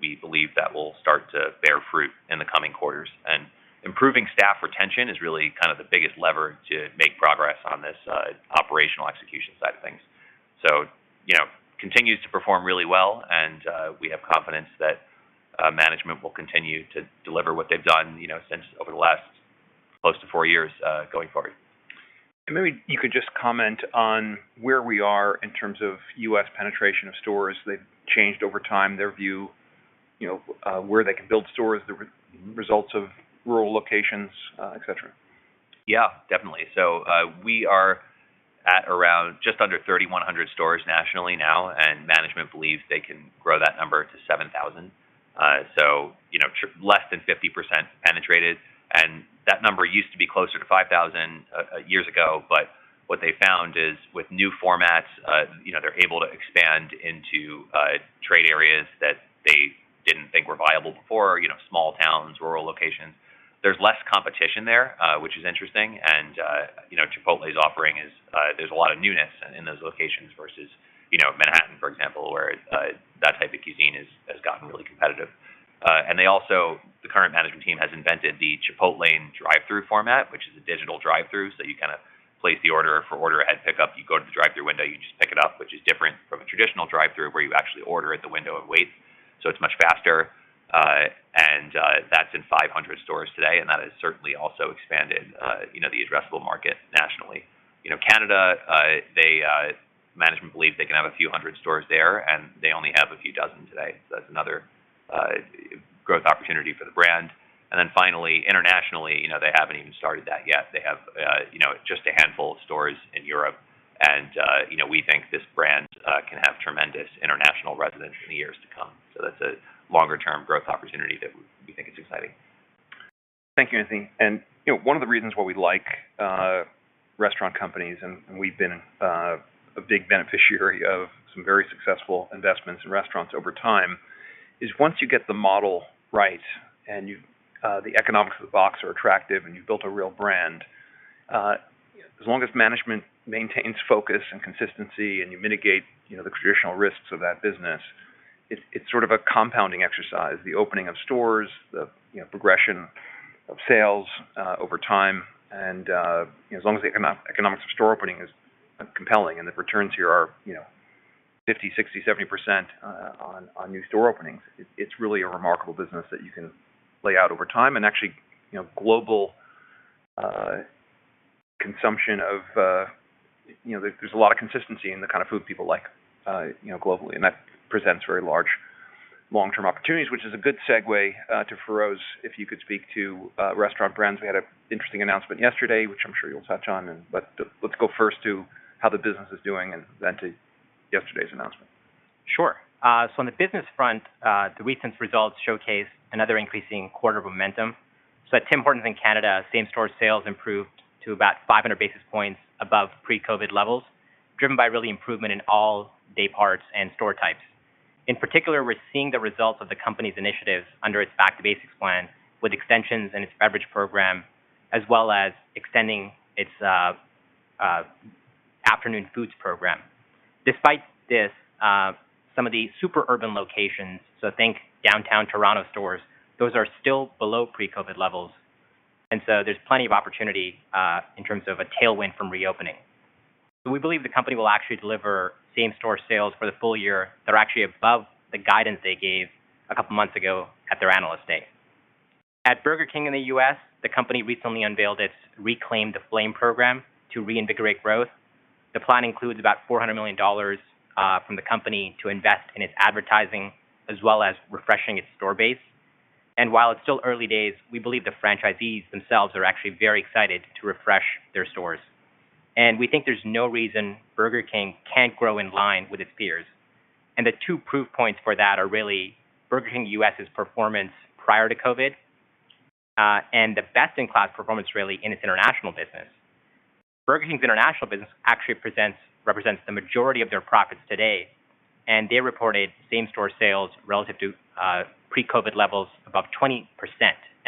We believe that will start to bear fruit in the coming quarters. Improving staff retention is really kind of the biggest lever to make progress on this operational execution side of things. You know, continues to perform really well, and we have confidence that management will continue to deliver what they've done, you know, over the last close to four years going forward. Maybe you could just comment on where we are in terms of U.S. penetration of stores. They've changed over time, their view, you know, where they can build stores, the results of rural locations, et cetera. Yeah, definitely. We are at around just under 3,100 stores nationally now, and management believes they can grow that number to 7,000. You know, less than 50% penetrated, and that number used to be closer to 5,000, years ago. What they found is with new formats, you know, they're able to expand into trade areas that they didn't think were viable before, you know, small towns, rural locations. There's less competition there, which is interesting. You know, Chipotle's offering is, there's a lot of newness in those locations versus, you know, Manhattan, for example, where that type of cuisine has gotten really competitive. The current management team has invented the Chipotlane drive-thru format, which is a digital drive-thru. You kind of place the order for order-ahead pickup, you go to the drive-thru window, you just pick it up, which is different from a traditional drive-thru where you actually order at the window and wait. It's much faster. That's in 500 stores today, and that has certainly also expanded, you know, the addressable market nationally. You know, Canada, management believe they can have a few hundred stores there, and they only have a few dozen today. That's another growth opportunity for the brand. Finally, internationally, you know, they haven't even started that yet. They have, you know, just a handful of stores in Europe. You know, we think this brand can have tremendous international resonance in the years to come. That's a longer-term growth opportunity that we think is exciting. Thank you, Anthony. You know, one of the reasons why we like restaurant companies, and we've been a big beneficiary of some very successful investments in restaurants over time, is once you get the model right and the economics of the box are attractive and you built a real brand. As long as management maintains focus and consistency and you mitigate, you know, the traditional risks of that business, it's sort of a compounding exercise, the opening of stores, the, you know, progression of sales over time. You know, as long as the economics of store opening is compelling and the returns here are, you know, 50%, 60%, 70% on new store openings, it's really a remarkable business that you can lay out over time. You know, there's a lot of consistency in the kind of food people like, you know, globally, and that presents very large long-term opportunities, which is a good segue to Feroz. If you could speak to Restaurant Brands. We had an interesting announcement yesterday, which I'm sure you'll touch on. Let's go first to how the business is doing and then to yesterday's announcement. Sure. On the business front, the recent results showcase another increasing quarter of momentum. At Tim Hortons in Canada, same-store sales improved to about 500 basis points above pre-COVID levels, driven by really improvement in all day parts and store types. In particular, we're seeing the results of the company's initiatives under its Back to Basics plan, with extensions in its beverage program, as well as extending its afternoon foods program. Despite this, some of the super urban locations, so think downtown Toronto stores, those are still below pre-COVID levels, and so there's plenty of opportunity in terms of a tailwind from reopening. So we believe the company will actually deliver same-store sales for the full year that are actually above the guidance they gave a couple months ago at their Analyst Day. At Burger King in the U.S., the company recently unveiled its Reclaim the Flame program to reinvigorate growth. The plan includes about $400 million, uh, from the company to invest in its advertising, as well as refreshing its store base. And while it's still early days, we believe the franchisees themselves are actually very excited to refresh their stores. And we think there's no reason Burger King can't grow in line with its peers. And the two proof points for that are really Burger King US's performance prior to COVID, uh, and the best-in-class performance really in its international business. Burger King's international business actually represents the majority of their profits today, and they reported same-store sales relative to pre-COVID levels above 20%.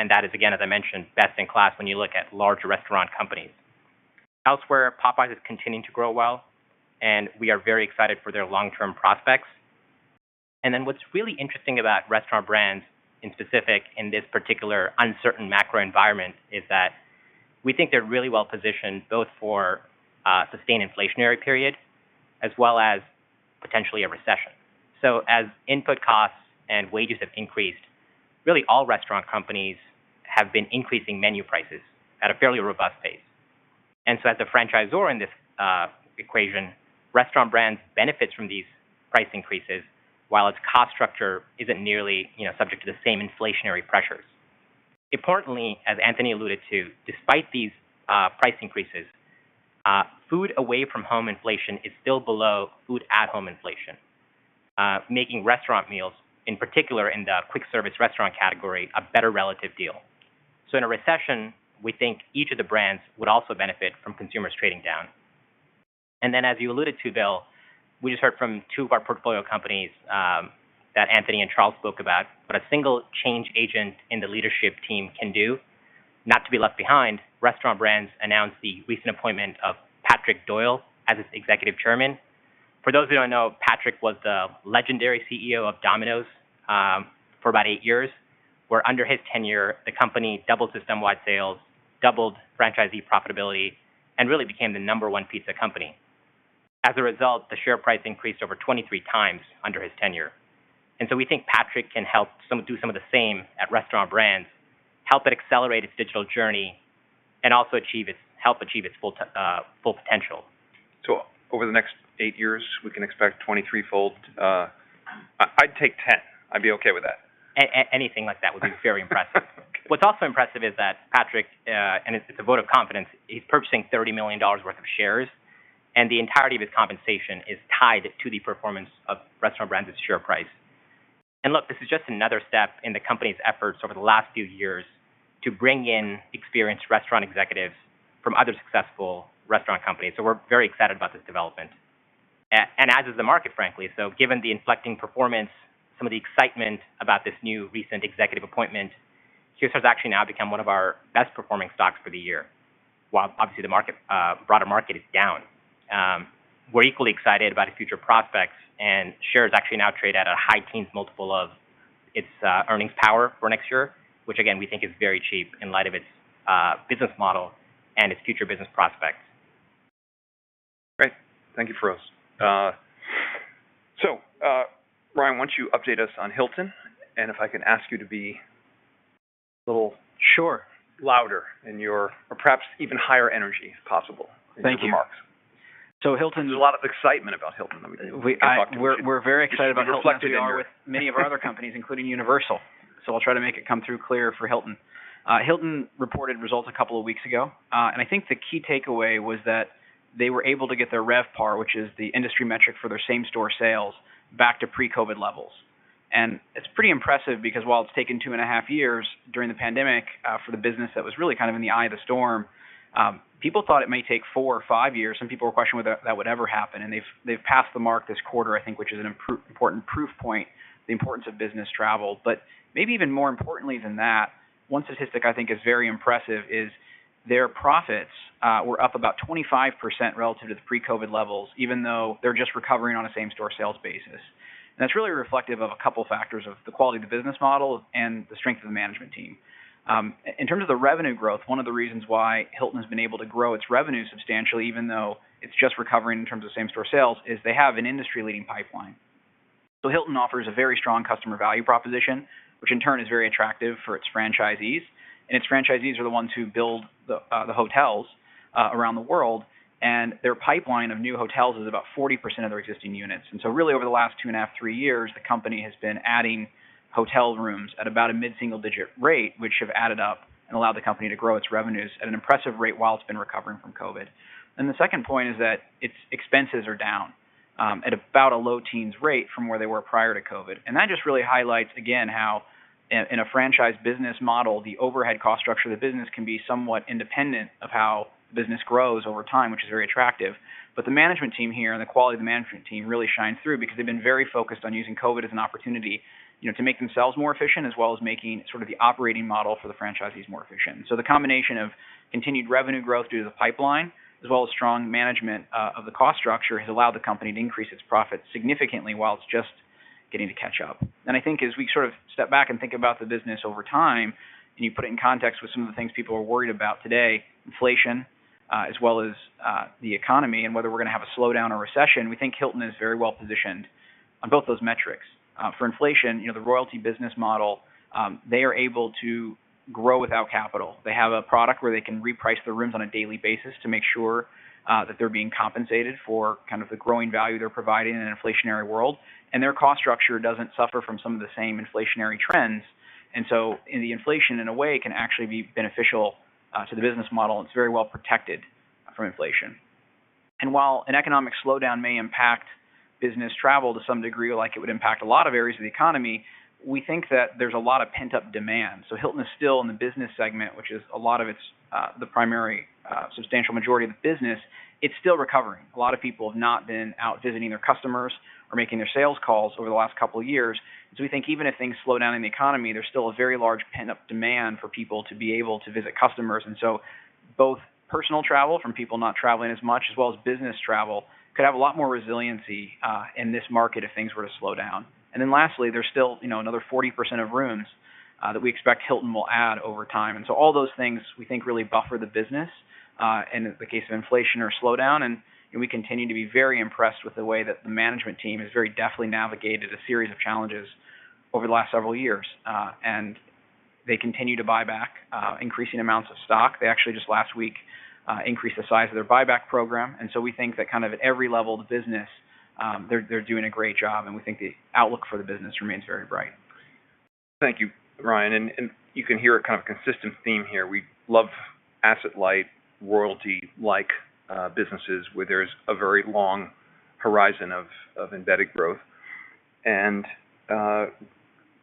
That is, again, as I mentioned, best in class when you look at larger restaurant companies. Elsewhere, Popeyes is continuing to grow well, and we are very excited for their long-term prospects. What's really interesting about Restaurant Brands in specific in this particular uncertain macro environment is that we think they're really well positioned both for a sustained inflationary period as well as potentially a recession. As input costs and wages have increased, really all restaurant companies have been increasing menu prices at a fairly robust pace. As a franchisor in this equation, Restaurant Brands benefits from these price increases while its cost structure isn't nearly, you know, subject to the same inflationary pressures. Importantly, as Anthony alluded to, despite these price increases, food away from home inflation is still below food at home inflation, making restaurant meals, in particular in the quick service restaurant category, a better relative deal. In a recession, we think each of the brands would also benefit from consumers trading down. As you alluded to, Bill, we just heard from two of our portfolio companies that Anthony and Charles spoke about, what a single change agent in the leadership team can do. Not to be left behind, Restaurant Brands announced the recent appointment of Patrick Doyle as its Executive Chairman. For those who don't know, Patrick was the legendary CEO of Domino's for about eight years, where under his tenure, the company doubled system-wide sales, doubled franchisee profitability, and really became the number one pizza company. As a result, the share price increased over 23 times under his tenure. We think Patrick can help do some of the same at Restaurant Brands, help it accelerate its digital journey, and also help achieve its full potential. Over the next eight years, we can expect 23-fold? I'd take 10. I'd be okay with that. Anything like that would be very impressive. What's also impressive is that it's a vote of confidence. He's purchasing $30 million worth of shares, and the entirety of his compensation is tied to the performance of Restaurant Brands' share price. Look, this is just another step in the company's efforts over the last few years to bring in experienced restaurant executives from other successful restaurant companies. We're very excited about this development. As is the market, frankly. Given the inflecting performance, some of the excitement about this new recent executive appointment, QSR has actually now become one of our best-performing stocks for the year, while obviously the broader market is down. We're equally excited about the future prospects and shares actually now trade at a high-teens multiple of its earnings power for next year, which, again, we think is very cheap in light of its business model and its future business prospects. Great. Thank you, Feroz. Ryan, why don't you update us on Hilton? Sure. Perhaps even higher energy if possible. Thank you. In your remarks. Hilton. There's a lot of excitement about Hilton. We- -talk too much. We're very excited about Hilton. Reflected in your. As we are with many of our other companies, including Universal. I'll try to make it come through clear for Hilton. Hilton reported results a couple of weeks ago. I think the key takeaway was that they were able to get their RevPAR, which is the industry metric for their same-store sales, back to pre-COVID levels. It's pretty impressive because while it's taken two and a half years during the pandemic for the business that was really kind of in the eye of the storm, people thought it may take four or five years. Some people were questioning whether that would ever happen. They've passed the mark this quarter, I think, which is an important proof point, the importance of business travel. Maybe even more importantly than that, one statistic I think is very impressive is their profits were up about 25% relative to the pre-COVID levels, even though they're just recovering on a same-store sales basis. That's really reflective of a couple factors of the quality of the business model and the strength of the management team. In terms of the revenue growth, one of the reasons why Hilton has been able to grow its revenue substantially, even though it's just recovering in terms of same-store sales, is they have an industry-leading pipeline. Hilton offers a very strong customer value proposition, which in turn is very attractive for its franchisees. Its franchisees are the ones who build the hotels around the world. Their pipeline of new hotels is about 40% of their existing units. Really over the last two and a half, three years, the company has been adding hotel rooms at about a mid-single digit rate, which have added up and allowed the company to grow its revenues at an impressive rate while it's been recovering from COVID. The second point is that its expenses are down at about a low teens rate from where they were prior to COVID. That just really highlights again how in a franchise business model, the overhead cost structure of the business can be somewhat independent of how business grows over time, which is very attractive. The management team here and the quality of the management team really shine through because they've been very focused on using COVID as an opportunity, you know, to make themselves more efficient, as well as making sort of the operating model for the franchisees more efficient. The combination of continued revenue growth due to the pipeline, as well as strong management of the cost structure, has allowed the company to increase its profits significantly while it's just getting to catch up. I think as we sort of step back and think about the business over time, and you put it in context with some of the things people are worried about today, inflation, as well as the economy and whether we're going to have a slowdown or recession. We think Hilton is very well-positioned on both those metrics. For inflation, you know, the royalty business model, they are able to grow without capital. They have a product where they can reprice their rooms on a daily basis to make sure that they're being compensated for kind of the growing value they're providing in an inflationary world. Their cost structure doesn't suffer from some of the same inflationary trends. The inflation, in a way, can actually be beneficial to the business model. It's very well protected from inflation. While an economic slowdown may impact business travel to some degree, like it would impact a lot of areas of the economy, we think that there's a lot of pent-up demand. Hilton is still in the business segment, which is the substantial majority of the business. It's still recovering. A lot of people have not been out visiting their customers or making their sales calls over the last couple of years. We think even if things slow down in the economy, there's still a very large pent-up demand for people to be able to visit customers. Both personal travel from people not traveling as much, as well as business travel, could have a lot more resiliency in this market if things were to slow down. Lastly, there's still, you know, another 40% of rooms that we expect Hilton will add over time. All those things, we think, really buffer the business in the case of inflation or slowdown. We continue to be very impressed with the way that the management team has very deftly navigated a series of challenges over the last several years. They continue to buy back increasing amounts of stock. They actually just last week increased the size of their buyback program. We think that kind of at every level of the business, they're doing a great job. We think the outlook for the business remains very bright. Thank you, Ryan. You can hear a kind of consistent theme here. We love asset-light, royalty-like businesses where there's a very long horizon of embedded growth. We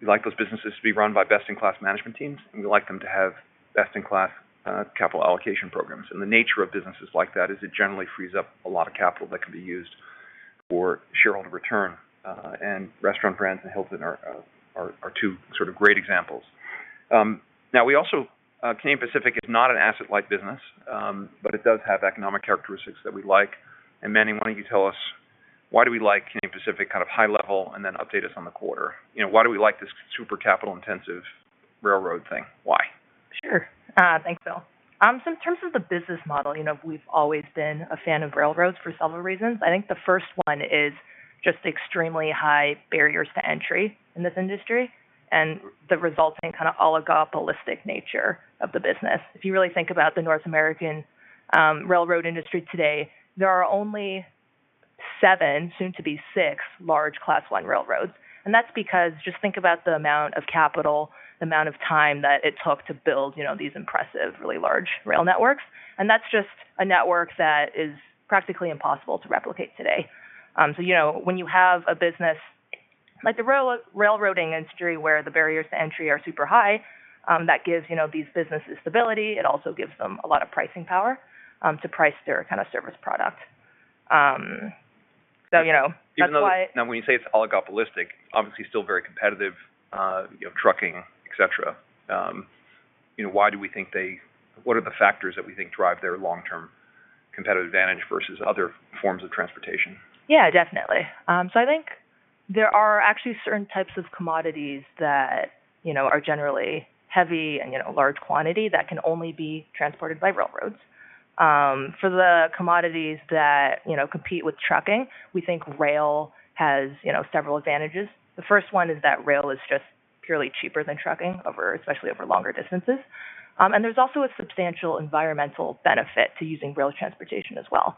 like those businesses to be run by best-in-class management teams, and we like them to have best-in-class capital allocation programs. The nature of businesses like that is it generally frees up a lot of capital that can be used for shareholder return. Restaurant Brands and Hilton are two sort of great examples. Canadian Pacific is not an asset-light business, but it does have economic characteristics that we like. Manning, why don't you tell us why do we like Canadian Pacific kind of high-level, and then update us on the quarter? You know, why do we like this super capital-intensive railroad thing? Why? Sure. Uh, thanks, Bill. Um, so in terms of the business model, you know, we've always been a fan of railroads for several reasons. I think the first one is just extremely high barriers to entry in this industry and the resulting kind of oligopolistic nature of the business. If you really think about the North American, um, railroad industry today, there are only seven, soon to be six, large Class I railroads. And that's because just think about the amount of capital, the amount of time that it took to build, you know, these impressive, really large rail networks. And that's just a network that is practically impossible to replicate today. Um, so you know, when you have a business like the rail-railroading industry where the barriers to entry are super high, um, that gives, you know, these businesses stability. It also gives them a lot of pricing power to price their kind of service product. You know, that's why. Now, when you say it's oligopolistic, obviously still very competitive, you know, trucking, et cetera. You know, what are the factors that we think drive their long-term competitive advantage versus other forms of transportation? Yeah, definitely. I think there are actually certain types of commodities that, you know, are generally heavy and, you know, large quantity that can only be transported by railroads. For the commodities that, you know, compete with trucking, we think rail has, you know, several advantages. The first one is that rail is just purely cheaper than trucking especially over longer distances. There's also a substantial environmental benefit to using rail transportation as well.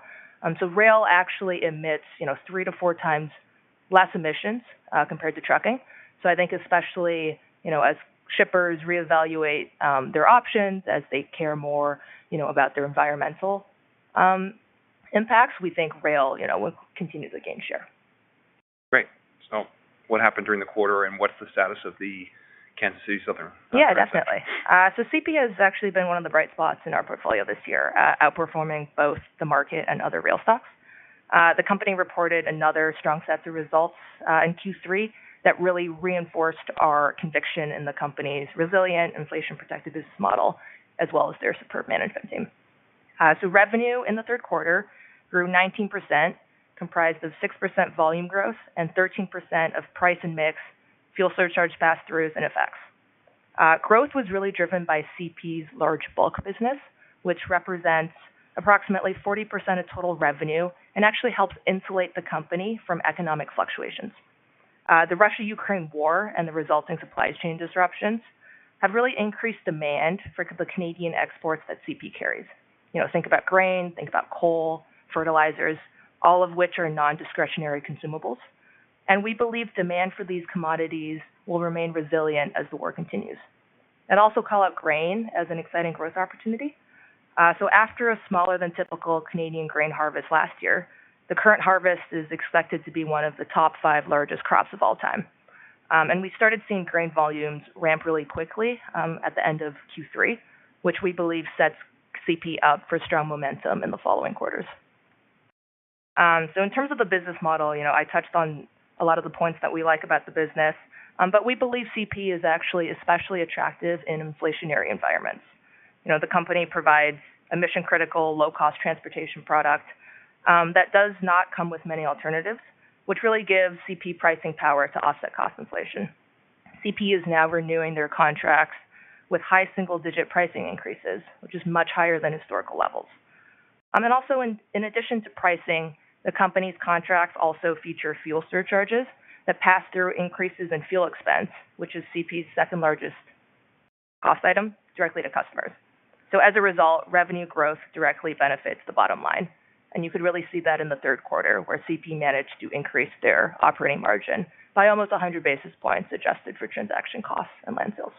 Rail actually emits, you know, three to four times less emissions compared to trucking. I think especially, you know, as shippers reevaluate their options, as they care more, you know, about their environmental impacts, we think rail, you know, will continue to gain share. Great. What happened during the quarter, and what's the status of the Kansas City Southern? Yeah, definitely. CP has actually been one of the bright spots in our portfolio this year, outperforming both the market and other rail stocks. The company reported another strong set of results in Q3 that really reinforced our conviction in the company's resilient inflation-protected business model, as well as their superb management team. Revenue in the third quarter grew 19%, comprised of 6% volume growth and 13% of price and mix, fuel surcharge, pass-throughs and FX. Growth was really driven by CP's large bulk business, which represents approximately 40% of total revenue and actually helps insulate the company from economic fluctuations. The Russia-Ukraine war and the resulting supply chain disruptions have really increased demand for the Canadian exports that CP carries. You know, think about grain, think about coal, fertilizers, all of which are non-discretionary consumables. We believe demand for these commodities will remain resilient as the war continues. I'd also call out grain as an exciting growth opportunity. After a smaller than typical Canadian grain harvest last year, the current harvest is expected to be one of the top five largest crops of all time. We started seeing grain volumes ramp really quickly at the end of Q3, which we believe sets CP up for strong momentum in the following quarters. In terms of the business model, you know, I touched on a lot of the points that we like about the business. We believe CP is actually especially attractive in inflationary environments. You know, the company provides a mission-critical, low-cost transportation product that does not come with many alternatives, which really gives CP pricing power to offset cost inflation. CP is now renewing their contracts with high single-digit pricing increases, which is much higher than historical levels. Also in addition to pricing, the company's contracts also feature fuel surcharges that pass through increases in fuel expense, which is CP's second largest cost item directly to customers. As a result, revenue growth directly benefits the bottom line. You could really see that in the third quarter where CP managed to increase their operating margin by almost 100 basis points adjusted for transaction costs and line sales.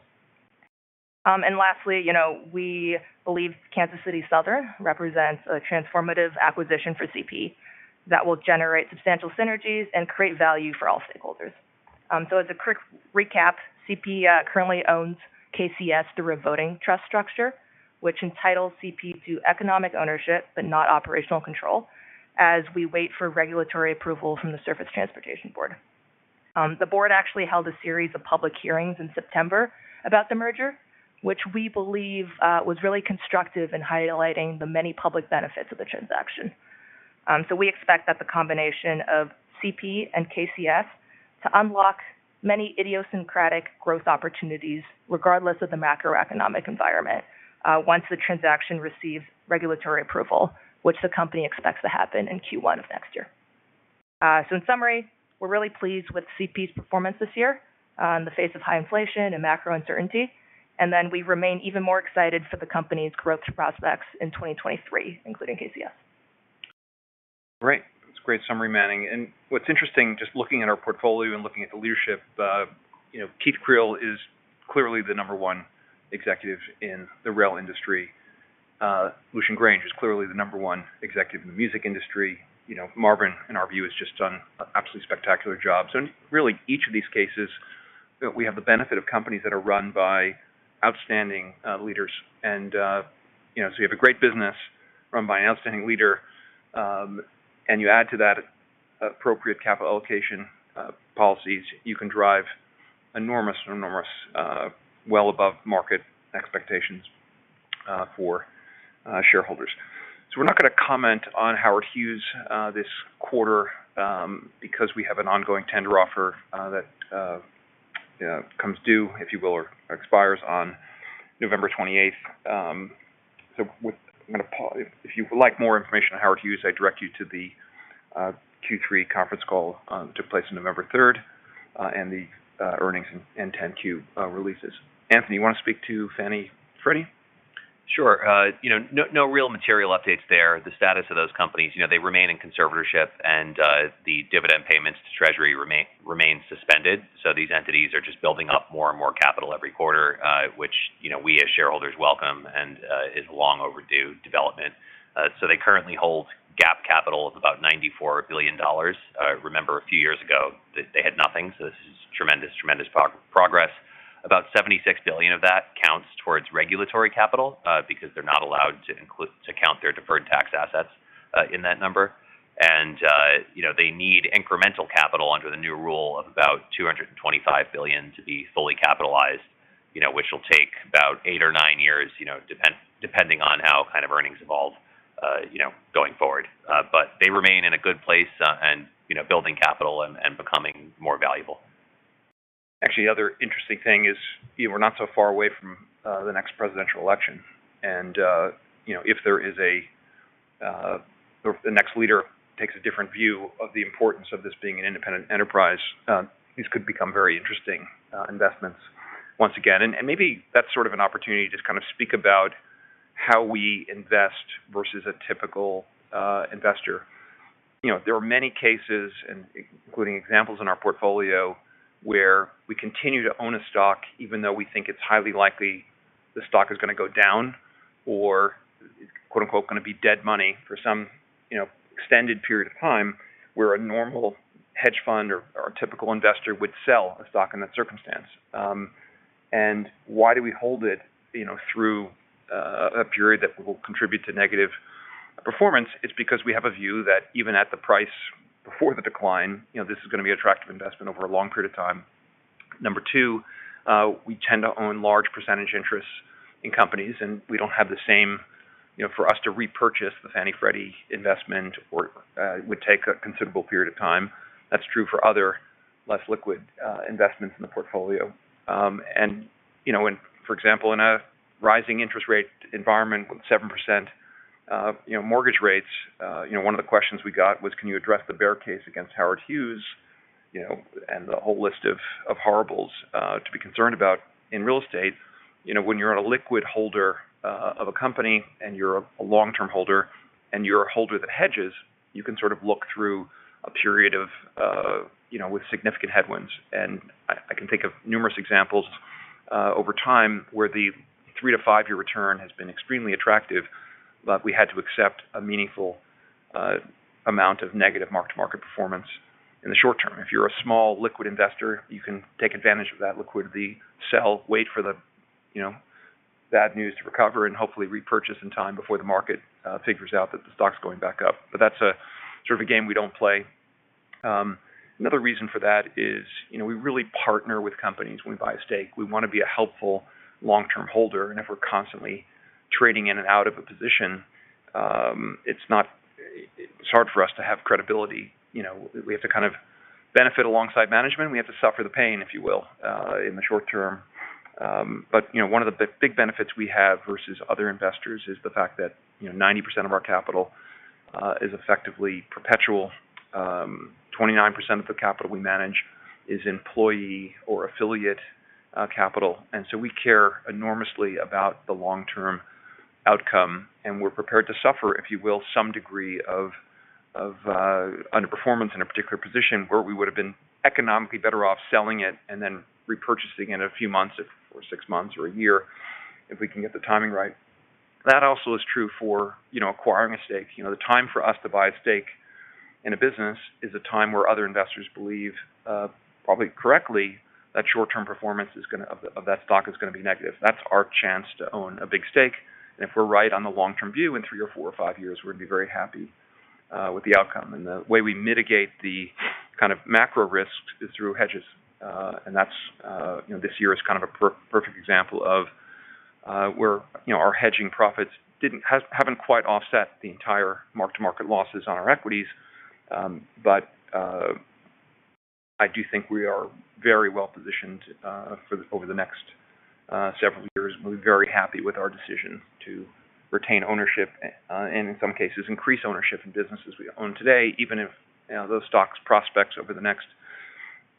Lastly, you know, we believe Kansas City Southern represents a transformative acquisition for CP that will generate substantial synergies and create value for all stakeholders. As a quick recap, CP currently owns KCS through a voting trust structure, which entitles CP to economic ownership, but not operational control, as we wait for regulatory approval from the Surface Transportation Board. The board actually held a series of public hearings in September about the merger, which we believe was really constructive in highlighting the many public benefits of the transaction. We expect that the combination of CP and KCS to unlock many idiosyncratic growth opportunities regardless of the macroeconomic environment once the transaction receives regulatory approval, which the company expects to happen in Q1 of next year. In summary, we're really pleased with CP's performance this year in the face of high inflation and macro uncertainty. We remain even more excited for the company's growth prospects in 2023, including KCS. Great. That's a great summary, Manning. What's interesting, just looking at our portfolio and looking at the leadership, you know, Keith Creel is clearly the number one executive in the rail industry. Lucian Grainge is clearly the number one executive in the music industry. You know, Marvin, in our view, has just done an absolutely spectacular job. Really, each of these cases, we have the benefit of companies that are run by outstanding leaders. You know, you have a great business run by an outstanding leader, and you add to that appropriate capital allocation policies, you can drive enormous, well above market expectations for shareholders. We're not gonna comment on Howard Hughes this quarter because we have an ongoing tender offer that comes due, if you will, or expires on November 28th. I'm gonna pause. If you would like more information on Howard Hughes, I direct you to the Q3 conference call that took place on November 3rd and the earnings and 10-Q releases. Anthony, you wanna speak to Fannie, Freddie? Sure, you know, no real material updates there. The status of those companies, you know, they remain in conservatorship and the dividend payments to Treasury remain suspended. These entities are just building up more and more capital every quarter, which, you know, we as shareholders welcome and is long overdue development. They currently hold GAAP capital of about $94 billion. Remember a few years ago, they had nothing. This is tremendous progress. About $76 billion of that counts towards regulatory capital because they're not allowed to count their deferred tax assets in that number. You know, they need incremental capital under the new rule of about $225 billion to be fully capitalized, you know, which will take about eight or nine years, you know, depending on how, kind of, earnings evolve, you know, going forward. They remain in a good place, and, you know, building capital and becoming more valuable. Actually, the other interesting thing is, you know, we're not so far away from the next presidential election. You know, if the next leader takes a different view of the importance of this being an independent enterprise, these could become very interesting investments once again. Maybe that's sort of an opportunity to just kind of speak about how we invest versus a typical investor. You know, there are many cases, including examples in our portfolio, where we continue to own a stock even though we think it's highly likely the stock is gonna go down or, quote-unquote, gonna be dead money for some, you know, extended period of time, where a normal hedge fund or a typical investor would sell a stock in that circumstance. Um, and why do we hold it, you know, through, uh, a period that will contribute to negative performance? It's because we have a view that even at the price before the decline, you know, this is gonna be an attractive investment over a long period of time. Number two, uh, we tend to own large percentage interests in companies, and we don't have the same... You know, for us to repurchase the Fannie Freddie investment or, uh, would take a considerable period of time. That's true for other less liquid, uh, investments in the portfolio. You know, when, for example, in a rising interest rate environment with 7% mortgage rates, you know, one of the questions we got was, "Can you address the bear case against Howard Hughes?" You know, the whole list of horribles to be concerned about in real estate. You know, when you're a liquid holder of a company and you're a long-term holder and you're a holder that hedges, you can sort of look through a period with significant headwinds. I can think of numerous examples over time where the three to five-year return has been extremely attractive, but we had to accept a meaningful amount of negative mark-to-market performance in the short term. If you're a small liquid investor, you can take advantage of that liquidity, sell, wait for the, you know, bad news to recover, and hopefully repurchase in time before the market figures out that the stock's going back up. That's a sort of a game we don't play. Another reason for that is, you know, we really partner with companies when we buy a stake. We wanna be a helpful long-term holder. If we're constantly trading in and out of a position, it's hard for us to have credibility. You know, we have to kind of benefit alongside management. We have to suffer the pain, if you will, in the short term. You know, one of the big benefits we have versus other investors is the fact that, you know, 90% of our capital is effectively perpetual. 29% of the capital we manage is employee or affiliate capital. We care enormously about the long-term outcome, and we're prepared to suffer, if you will, some degree of underperformance in a particular position where we would have been economically better off selling it and then repurchasing it in a few months or six months or a year if we can get the timing right. That also is true for, you know, acquiring a stake. You know, the time for us to buy a stake in a business is a time where other investors believe, probably correctly, that short-term performance of that stock is gonna be negative. That's our chance to own a big stake. If we're right on the long-term view, in three or four or five years, we're gonna be very happy with the outcome. The way we mitigate the kind of macro risk is through hedges. That's, you know, this year is kind of a perfect example of where, you know, our hedging profits haven't quite offset the entire mark-to-market losses on our equities. I do think we are very well-positioned over the next several years. We're very happy with our decision to retain ownership and in some cases, increase ownership in businesses we own today, even if, you know, those stocks' prospects over the next,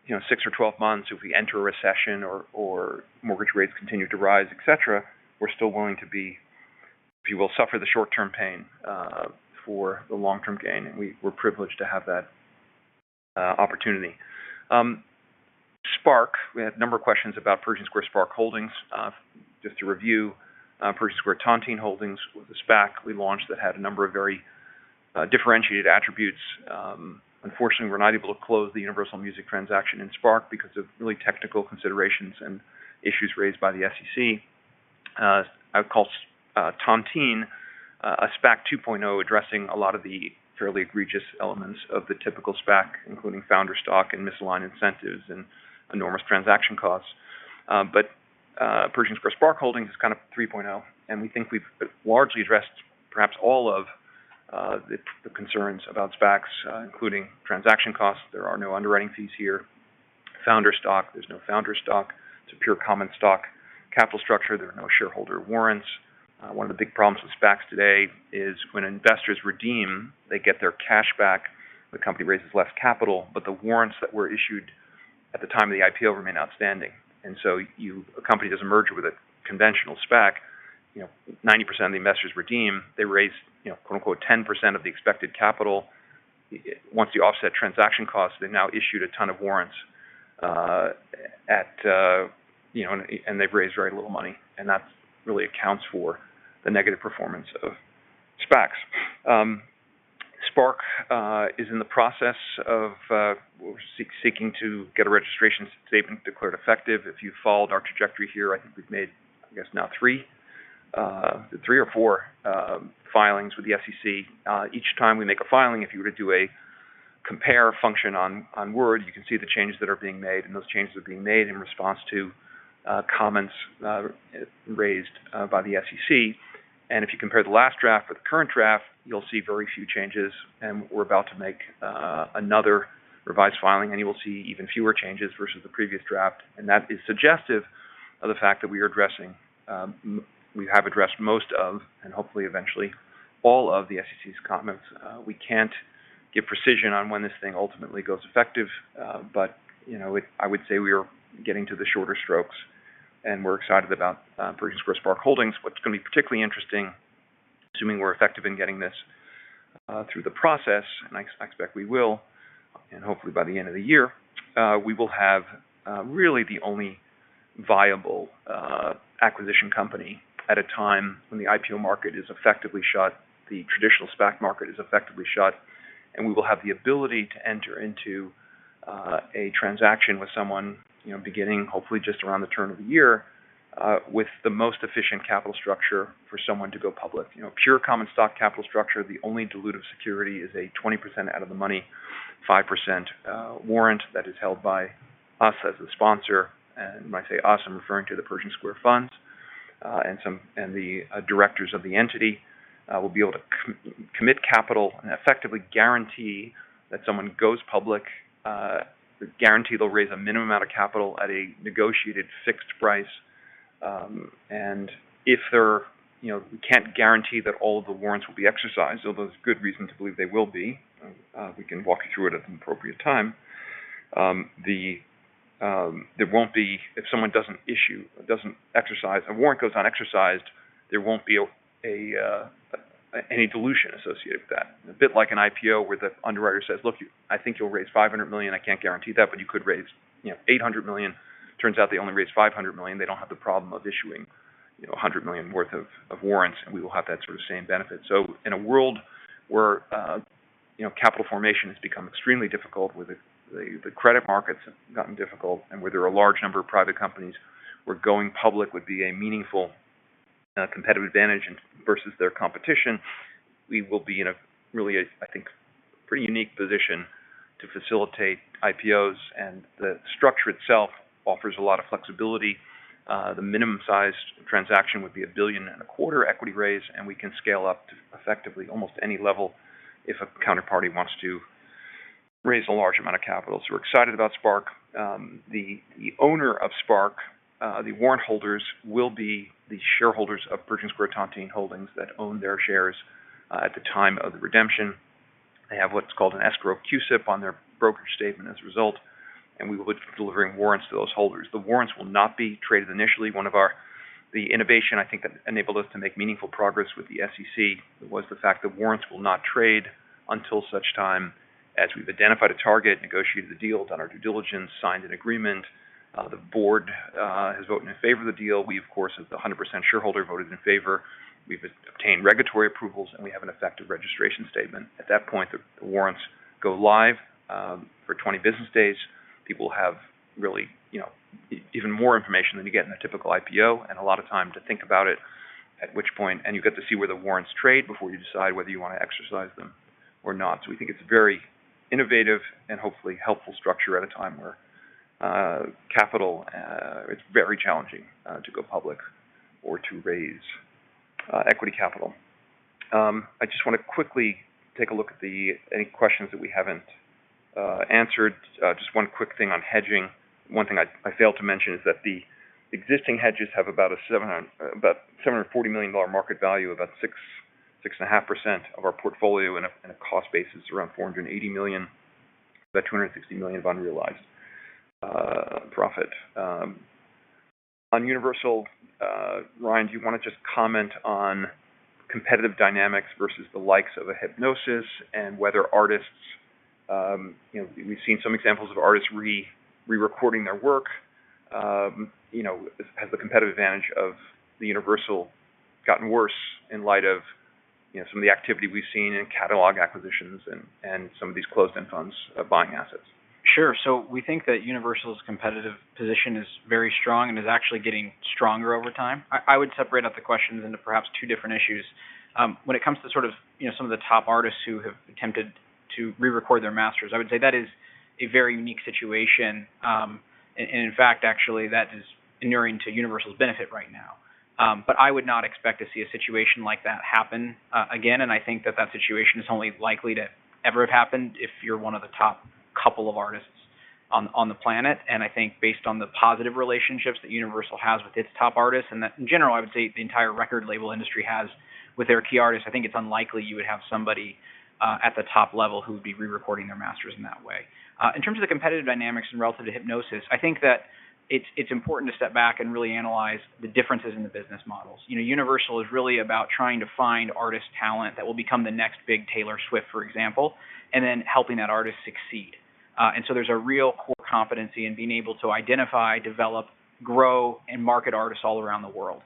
you know, six or 12 months, if we enter a recession or mortgage rates continue to rise, et cetera, we're still willing to, if you will, suffer the short-term pain for the long-term gain. We're privileged to have that opportunity. SPARC. We had a number of questions about Pershing Square SPARC Holdings. Just to review, Pershing Square Tontine Holdings was a SPAC we launched that had a number of very differentiated attributes. Unfortunately, we're not able to close the Universal Music transaction in SPARC because of really technical considerations and issues raised by the SEC. I would call Tontine a SPAC 2.0 addressing a lot of the fairly egregious elements of the typical SPAC, including founder stock and misaligned incentives and enormous transaction costs. Pershing Square SPARC Holdings is kind of 3.0, and we think we've largely addressed perhaps all of the concerns about SPACs, including transaction costs. There are no underwriting fees here. Founder stock. There's no founder stock. It's a pure common stock capital structure. There are no shareholder warrants. One of the big problems with SPACs today is when investors redeem, they get their cash back, the company raises less capital, but the warrants that were issued at the time of the IPO remain outstanding. A company doesn't merge with a conventional SPAC, you know, 90% of the investors redeem, they raise, you know, quote-unquote, 10% of the expected capital. Once you offset transaction costs, they've now issued a ton of warrants, you know, and they've raised very little money, and that really accounts for the negative performance of SPACs. SPARC, we're seeking to get a registration statement declared effective. If you followed our trajectory here, I think we've made, I guess now three or four filings with the SEC. Each time we make a filing, if you were to do a compare function on Word, you can see the changes that are being made, and those changes are being made in response to comments raised by the SEC. If you compare the last draft with the current draft, you'll see very few changes. We're about to make another revised filing, and you will see even fewer changes versus the previous draft. That is suggestive of the fact that we have addressed most of, and hopefully eventually all of the SEC's comments. We can't give precision on when this thing ultimately goes effective. You know, I would say we are getting to the shorter strokes, and we're excited about Pershing Square SPARC Holdings. What's gonna be particularly interesting, assuming we're effective in getting this through the process, and I expect we will. Hopefully by the end of the year, we will have really the only viable acquisition company at a time when the IPO market is effectively shut, the traditional SPAC market is effectively shut. We will have the ability to enter into a transaction with someone, you know, beginning hopefully just around the turn of the year, with the most efficient capital structure for someone to go public. You know, pure common stock capital structure, the only dilutive security is a 20% out of the money, 5% warrant that is held by us as the sponsor. When I say us, I'm referring to the Pershing Square funds and the directors of the entity will be able to commit capital and effectively guarantee that someone goes public, guarantee they'll raise a minimum amount of capital at a negotiated fixed price. You know, we can't guarantee that all of the warrants will be exercised, although there's good reason to believe they will be. We can walk you through it at an appropriate time. If someone doesn't exercise, a warrant goes unexercised, there won't be any dilution associated with that. A bit like an IPO where the underwriter says, Look, I think you'll raise $500 million. I can't guarantee that, but you could raise, you know, $800 million. Turns out they only raised $500 million. They don't have the problem of issuing, you know, $100 million worth of warrants, and we will have that sort of same benefit. In a world where, you know, capital formation has become extremely difficult, the credit markets have gotten difficult, and where there are a large number of private companies where going public would be a meaningful competitive advantage versus their competition, we will be in a really, I think, pretty unique position to facilitate IPOs, and the structure itself offers a lot of flexibility. The minimum sized transaction would be $1 billion and a quarter equity raise, and we can scale up to effectively almost any level if a counterparty wants to raise a large amount of capital. We're excited about SPARC. The owner of SPARC, the warrant holders will be the shareholders of Pershing Square Tontine Holdings that own their shares at the time of the redemption. They have what's called an escrow CUSIP on their brokerage statement as a result, and we will be delivering warrants to those holders. The warrants will not be traded initially. The innovation I think that enabled us to make meaningful progress with the SEC was the fact that warrants will not trade until such time as we've identified a target, negotiated the deal, done our due diligence, signed an agreement. The board has voted in favor of the deal. We, of course, as the 100% shareholder, voted in favor. We've obtained regulatory approvals, and we have an effective registration statement. At that point, the warrants go live for 20 business days. People have really, you know, even more information than you get in a typical IPO and a lot of time to think about it, at which point you get to see where the warrants trade before you decide whether you wanna exercise them or not. We think it's a very innovative and hopefully helpful structure at a time where capital it's very challenging to go public or to raise equity capital. I just wanna quickly take a look at any questions that we haven't answered. Just one quick thing on hedging. One thing I failed to mention is that the existing hedges have about a $740 million market value, about 6.5% of our portfolio in a cost basis around $480 million, about $260 million of unrealized profit. On Universal, Ryan, do you wanna just comment on competitive dynamics versus the likes of a Hipgnosis and whether artists, you know, we've seen some examples of artists re-recording their work? You know, has the competitive advantage of Universal gotten worse in light of, you know, some of the activity we've seen in catalog acquisitions and some of these closed-end funds buying assets? Sure. We think that Universal's competitive position is very strong and is actually getting stronger over time. I would separate out the questions into perhaps two different issues. When it comes to sort of, you know, some of the top artists who have attempted to rerecord their masters, I would say that is a very unique situation. In fact, actually, that is inuring to Universal's benefit right now. I would not expect to see a situation like that happen again, and I think that that situation is only likely to ever have happened if you're one of the top couple of artists on the planet. I think based on the positive relationships that Universal has with its top artists, and that in general, I would say the entire record label industry has with their key artists, I think it's unlikely you would have somebody at the top level who would be rerecording their masters in that way. In terms of the competitive dynamics and relative to Hipgnosis, I think that it's important to step back and really analyze the differences in the business models. You know, Universal is really about trying to find artist talent that will become the next big Taylor Swift, for example, and then helping that artist succeed. There's a real core competency in being able to identify, develop, grow, and market artists all around the world.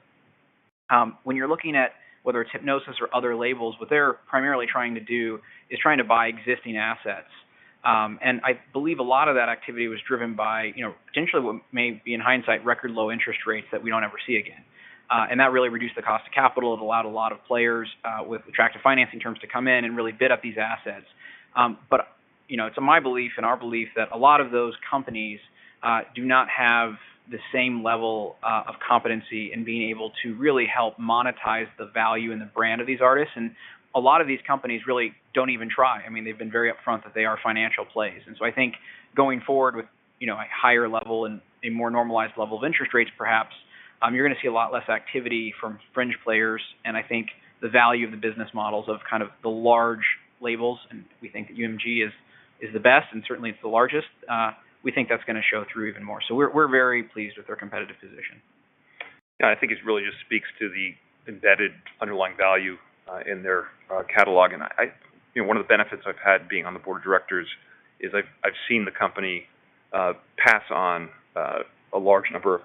When you're looking at whether it's Hipgnosis or other labels, what they're primarily trying to do is trying to buy existing assets. I believe a lot of that activity was driven by, you know, potentially what may be in hindsight, record low interest rates that we don't ever see again. That really reduced the cost of capital. It allowed a lot of players with attractive financing terms to come in and really bid up these assets. You know, it's my belief and our belief that a lot of those companies do not have the same level of competency in being able to really help monetize the value and the brand of these artists. A lot of these companies really don't even try. I mean, they've been very upfront that they are financial plays. I think going forward with, you know, a higher level and a more normalized level of interest rates, perhaps, you're gonna see a lot less activity from fringe players. I think the value of the business models of kind of the large labels, and we think UMG is the best, and certainly it's the largest, we think that's gonna show through even more. We're very pleased with their competitive position. Yeah. I think it really just speaks to the embedded underlying value in their catalog. You know, one of the benefits I've had being on the board of directors is I've seen the company pass on a large number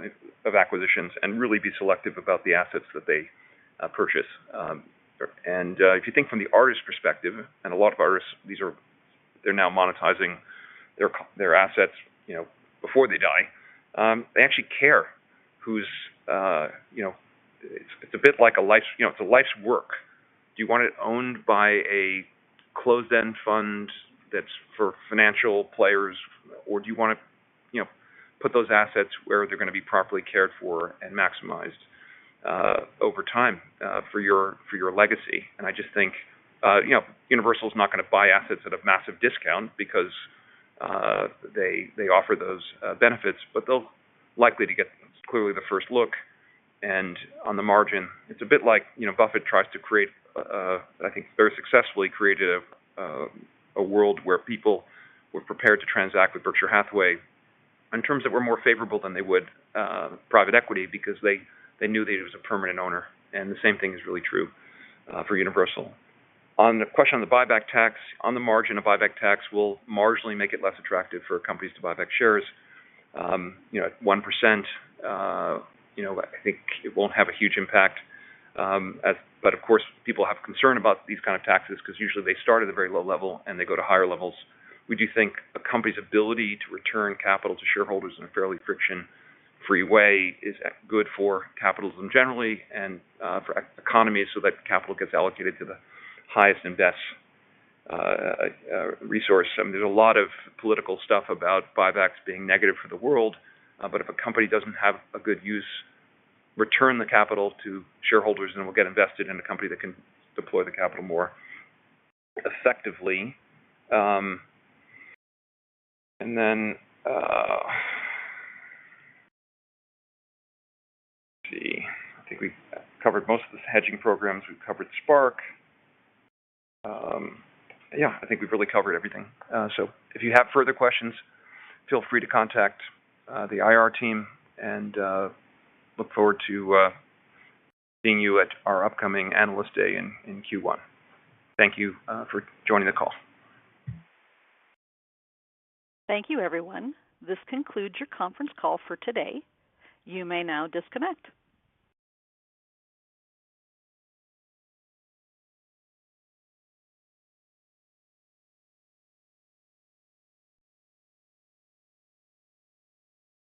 of acquisitions and really be selective about the assets that they purchase. If you think from the artist's perspective, and a lot of artists, they're now monetizing their assets, you know, before they die. They actually care, you know. It's a bit like, you know, it's a life's work. Do you want it owned by a closed-end fund that's for financial players, or do you wanna, you know, put those assets where they're gonna be properly cared for and maximized over time for your legacy? I just think, you know, Universal's not gonna buy assets at a massive discount because they offer those benefits, but they'll likely to get clearly the first look. On the margin, it's a bit like, you know, Buffett, I think very successfully, created a world where people were prepared to transact with Berkshire Hathaway in terms that were more favorable than they would private equity because they knew that he was a permanent owner, and the same thing is really true for Universal. On the question of the buyback tax, on the margin, a buyback tax will marginally make it less attractive for companies to buy back shares. You know, at 1%, you know, I think it won't have a huge impact. Of course, people have concern about these kind of taxes because usually they start at a very low level, and they go to higher levels. We do think a company's ability to return capital to shareholders in a fairly friction-free way is good for capitalism generally and for economies so that capital gets allocated to the highest and best resource. I mean, there's a lot of political stuff about buybacks being negative for the world, but if a company doesn't have a good use, return the capital to shareholders, and it will get invested in a company that can deploy the capital more effectively. Let's see. I think we've covered most of the hedging programs. We've covered SPARC. Yeah, I think we've really covered everything. If you have further questions, feel free to contact the IR team, and look forward to seeing you at our upcoming Analyst Day in Q1. Thank you for joining the call. Thank you, everyone. This concludes your conference call for today. You may now disconnect.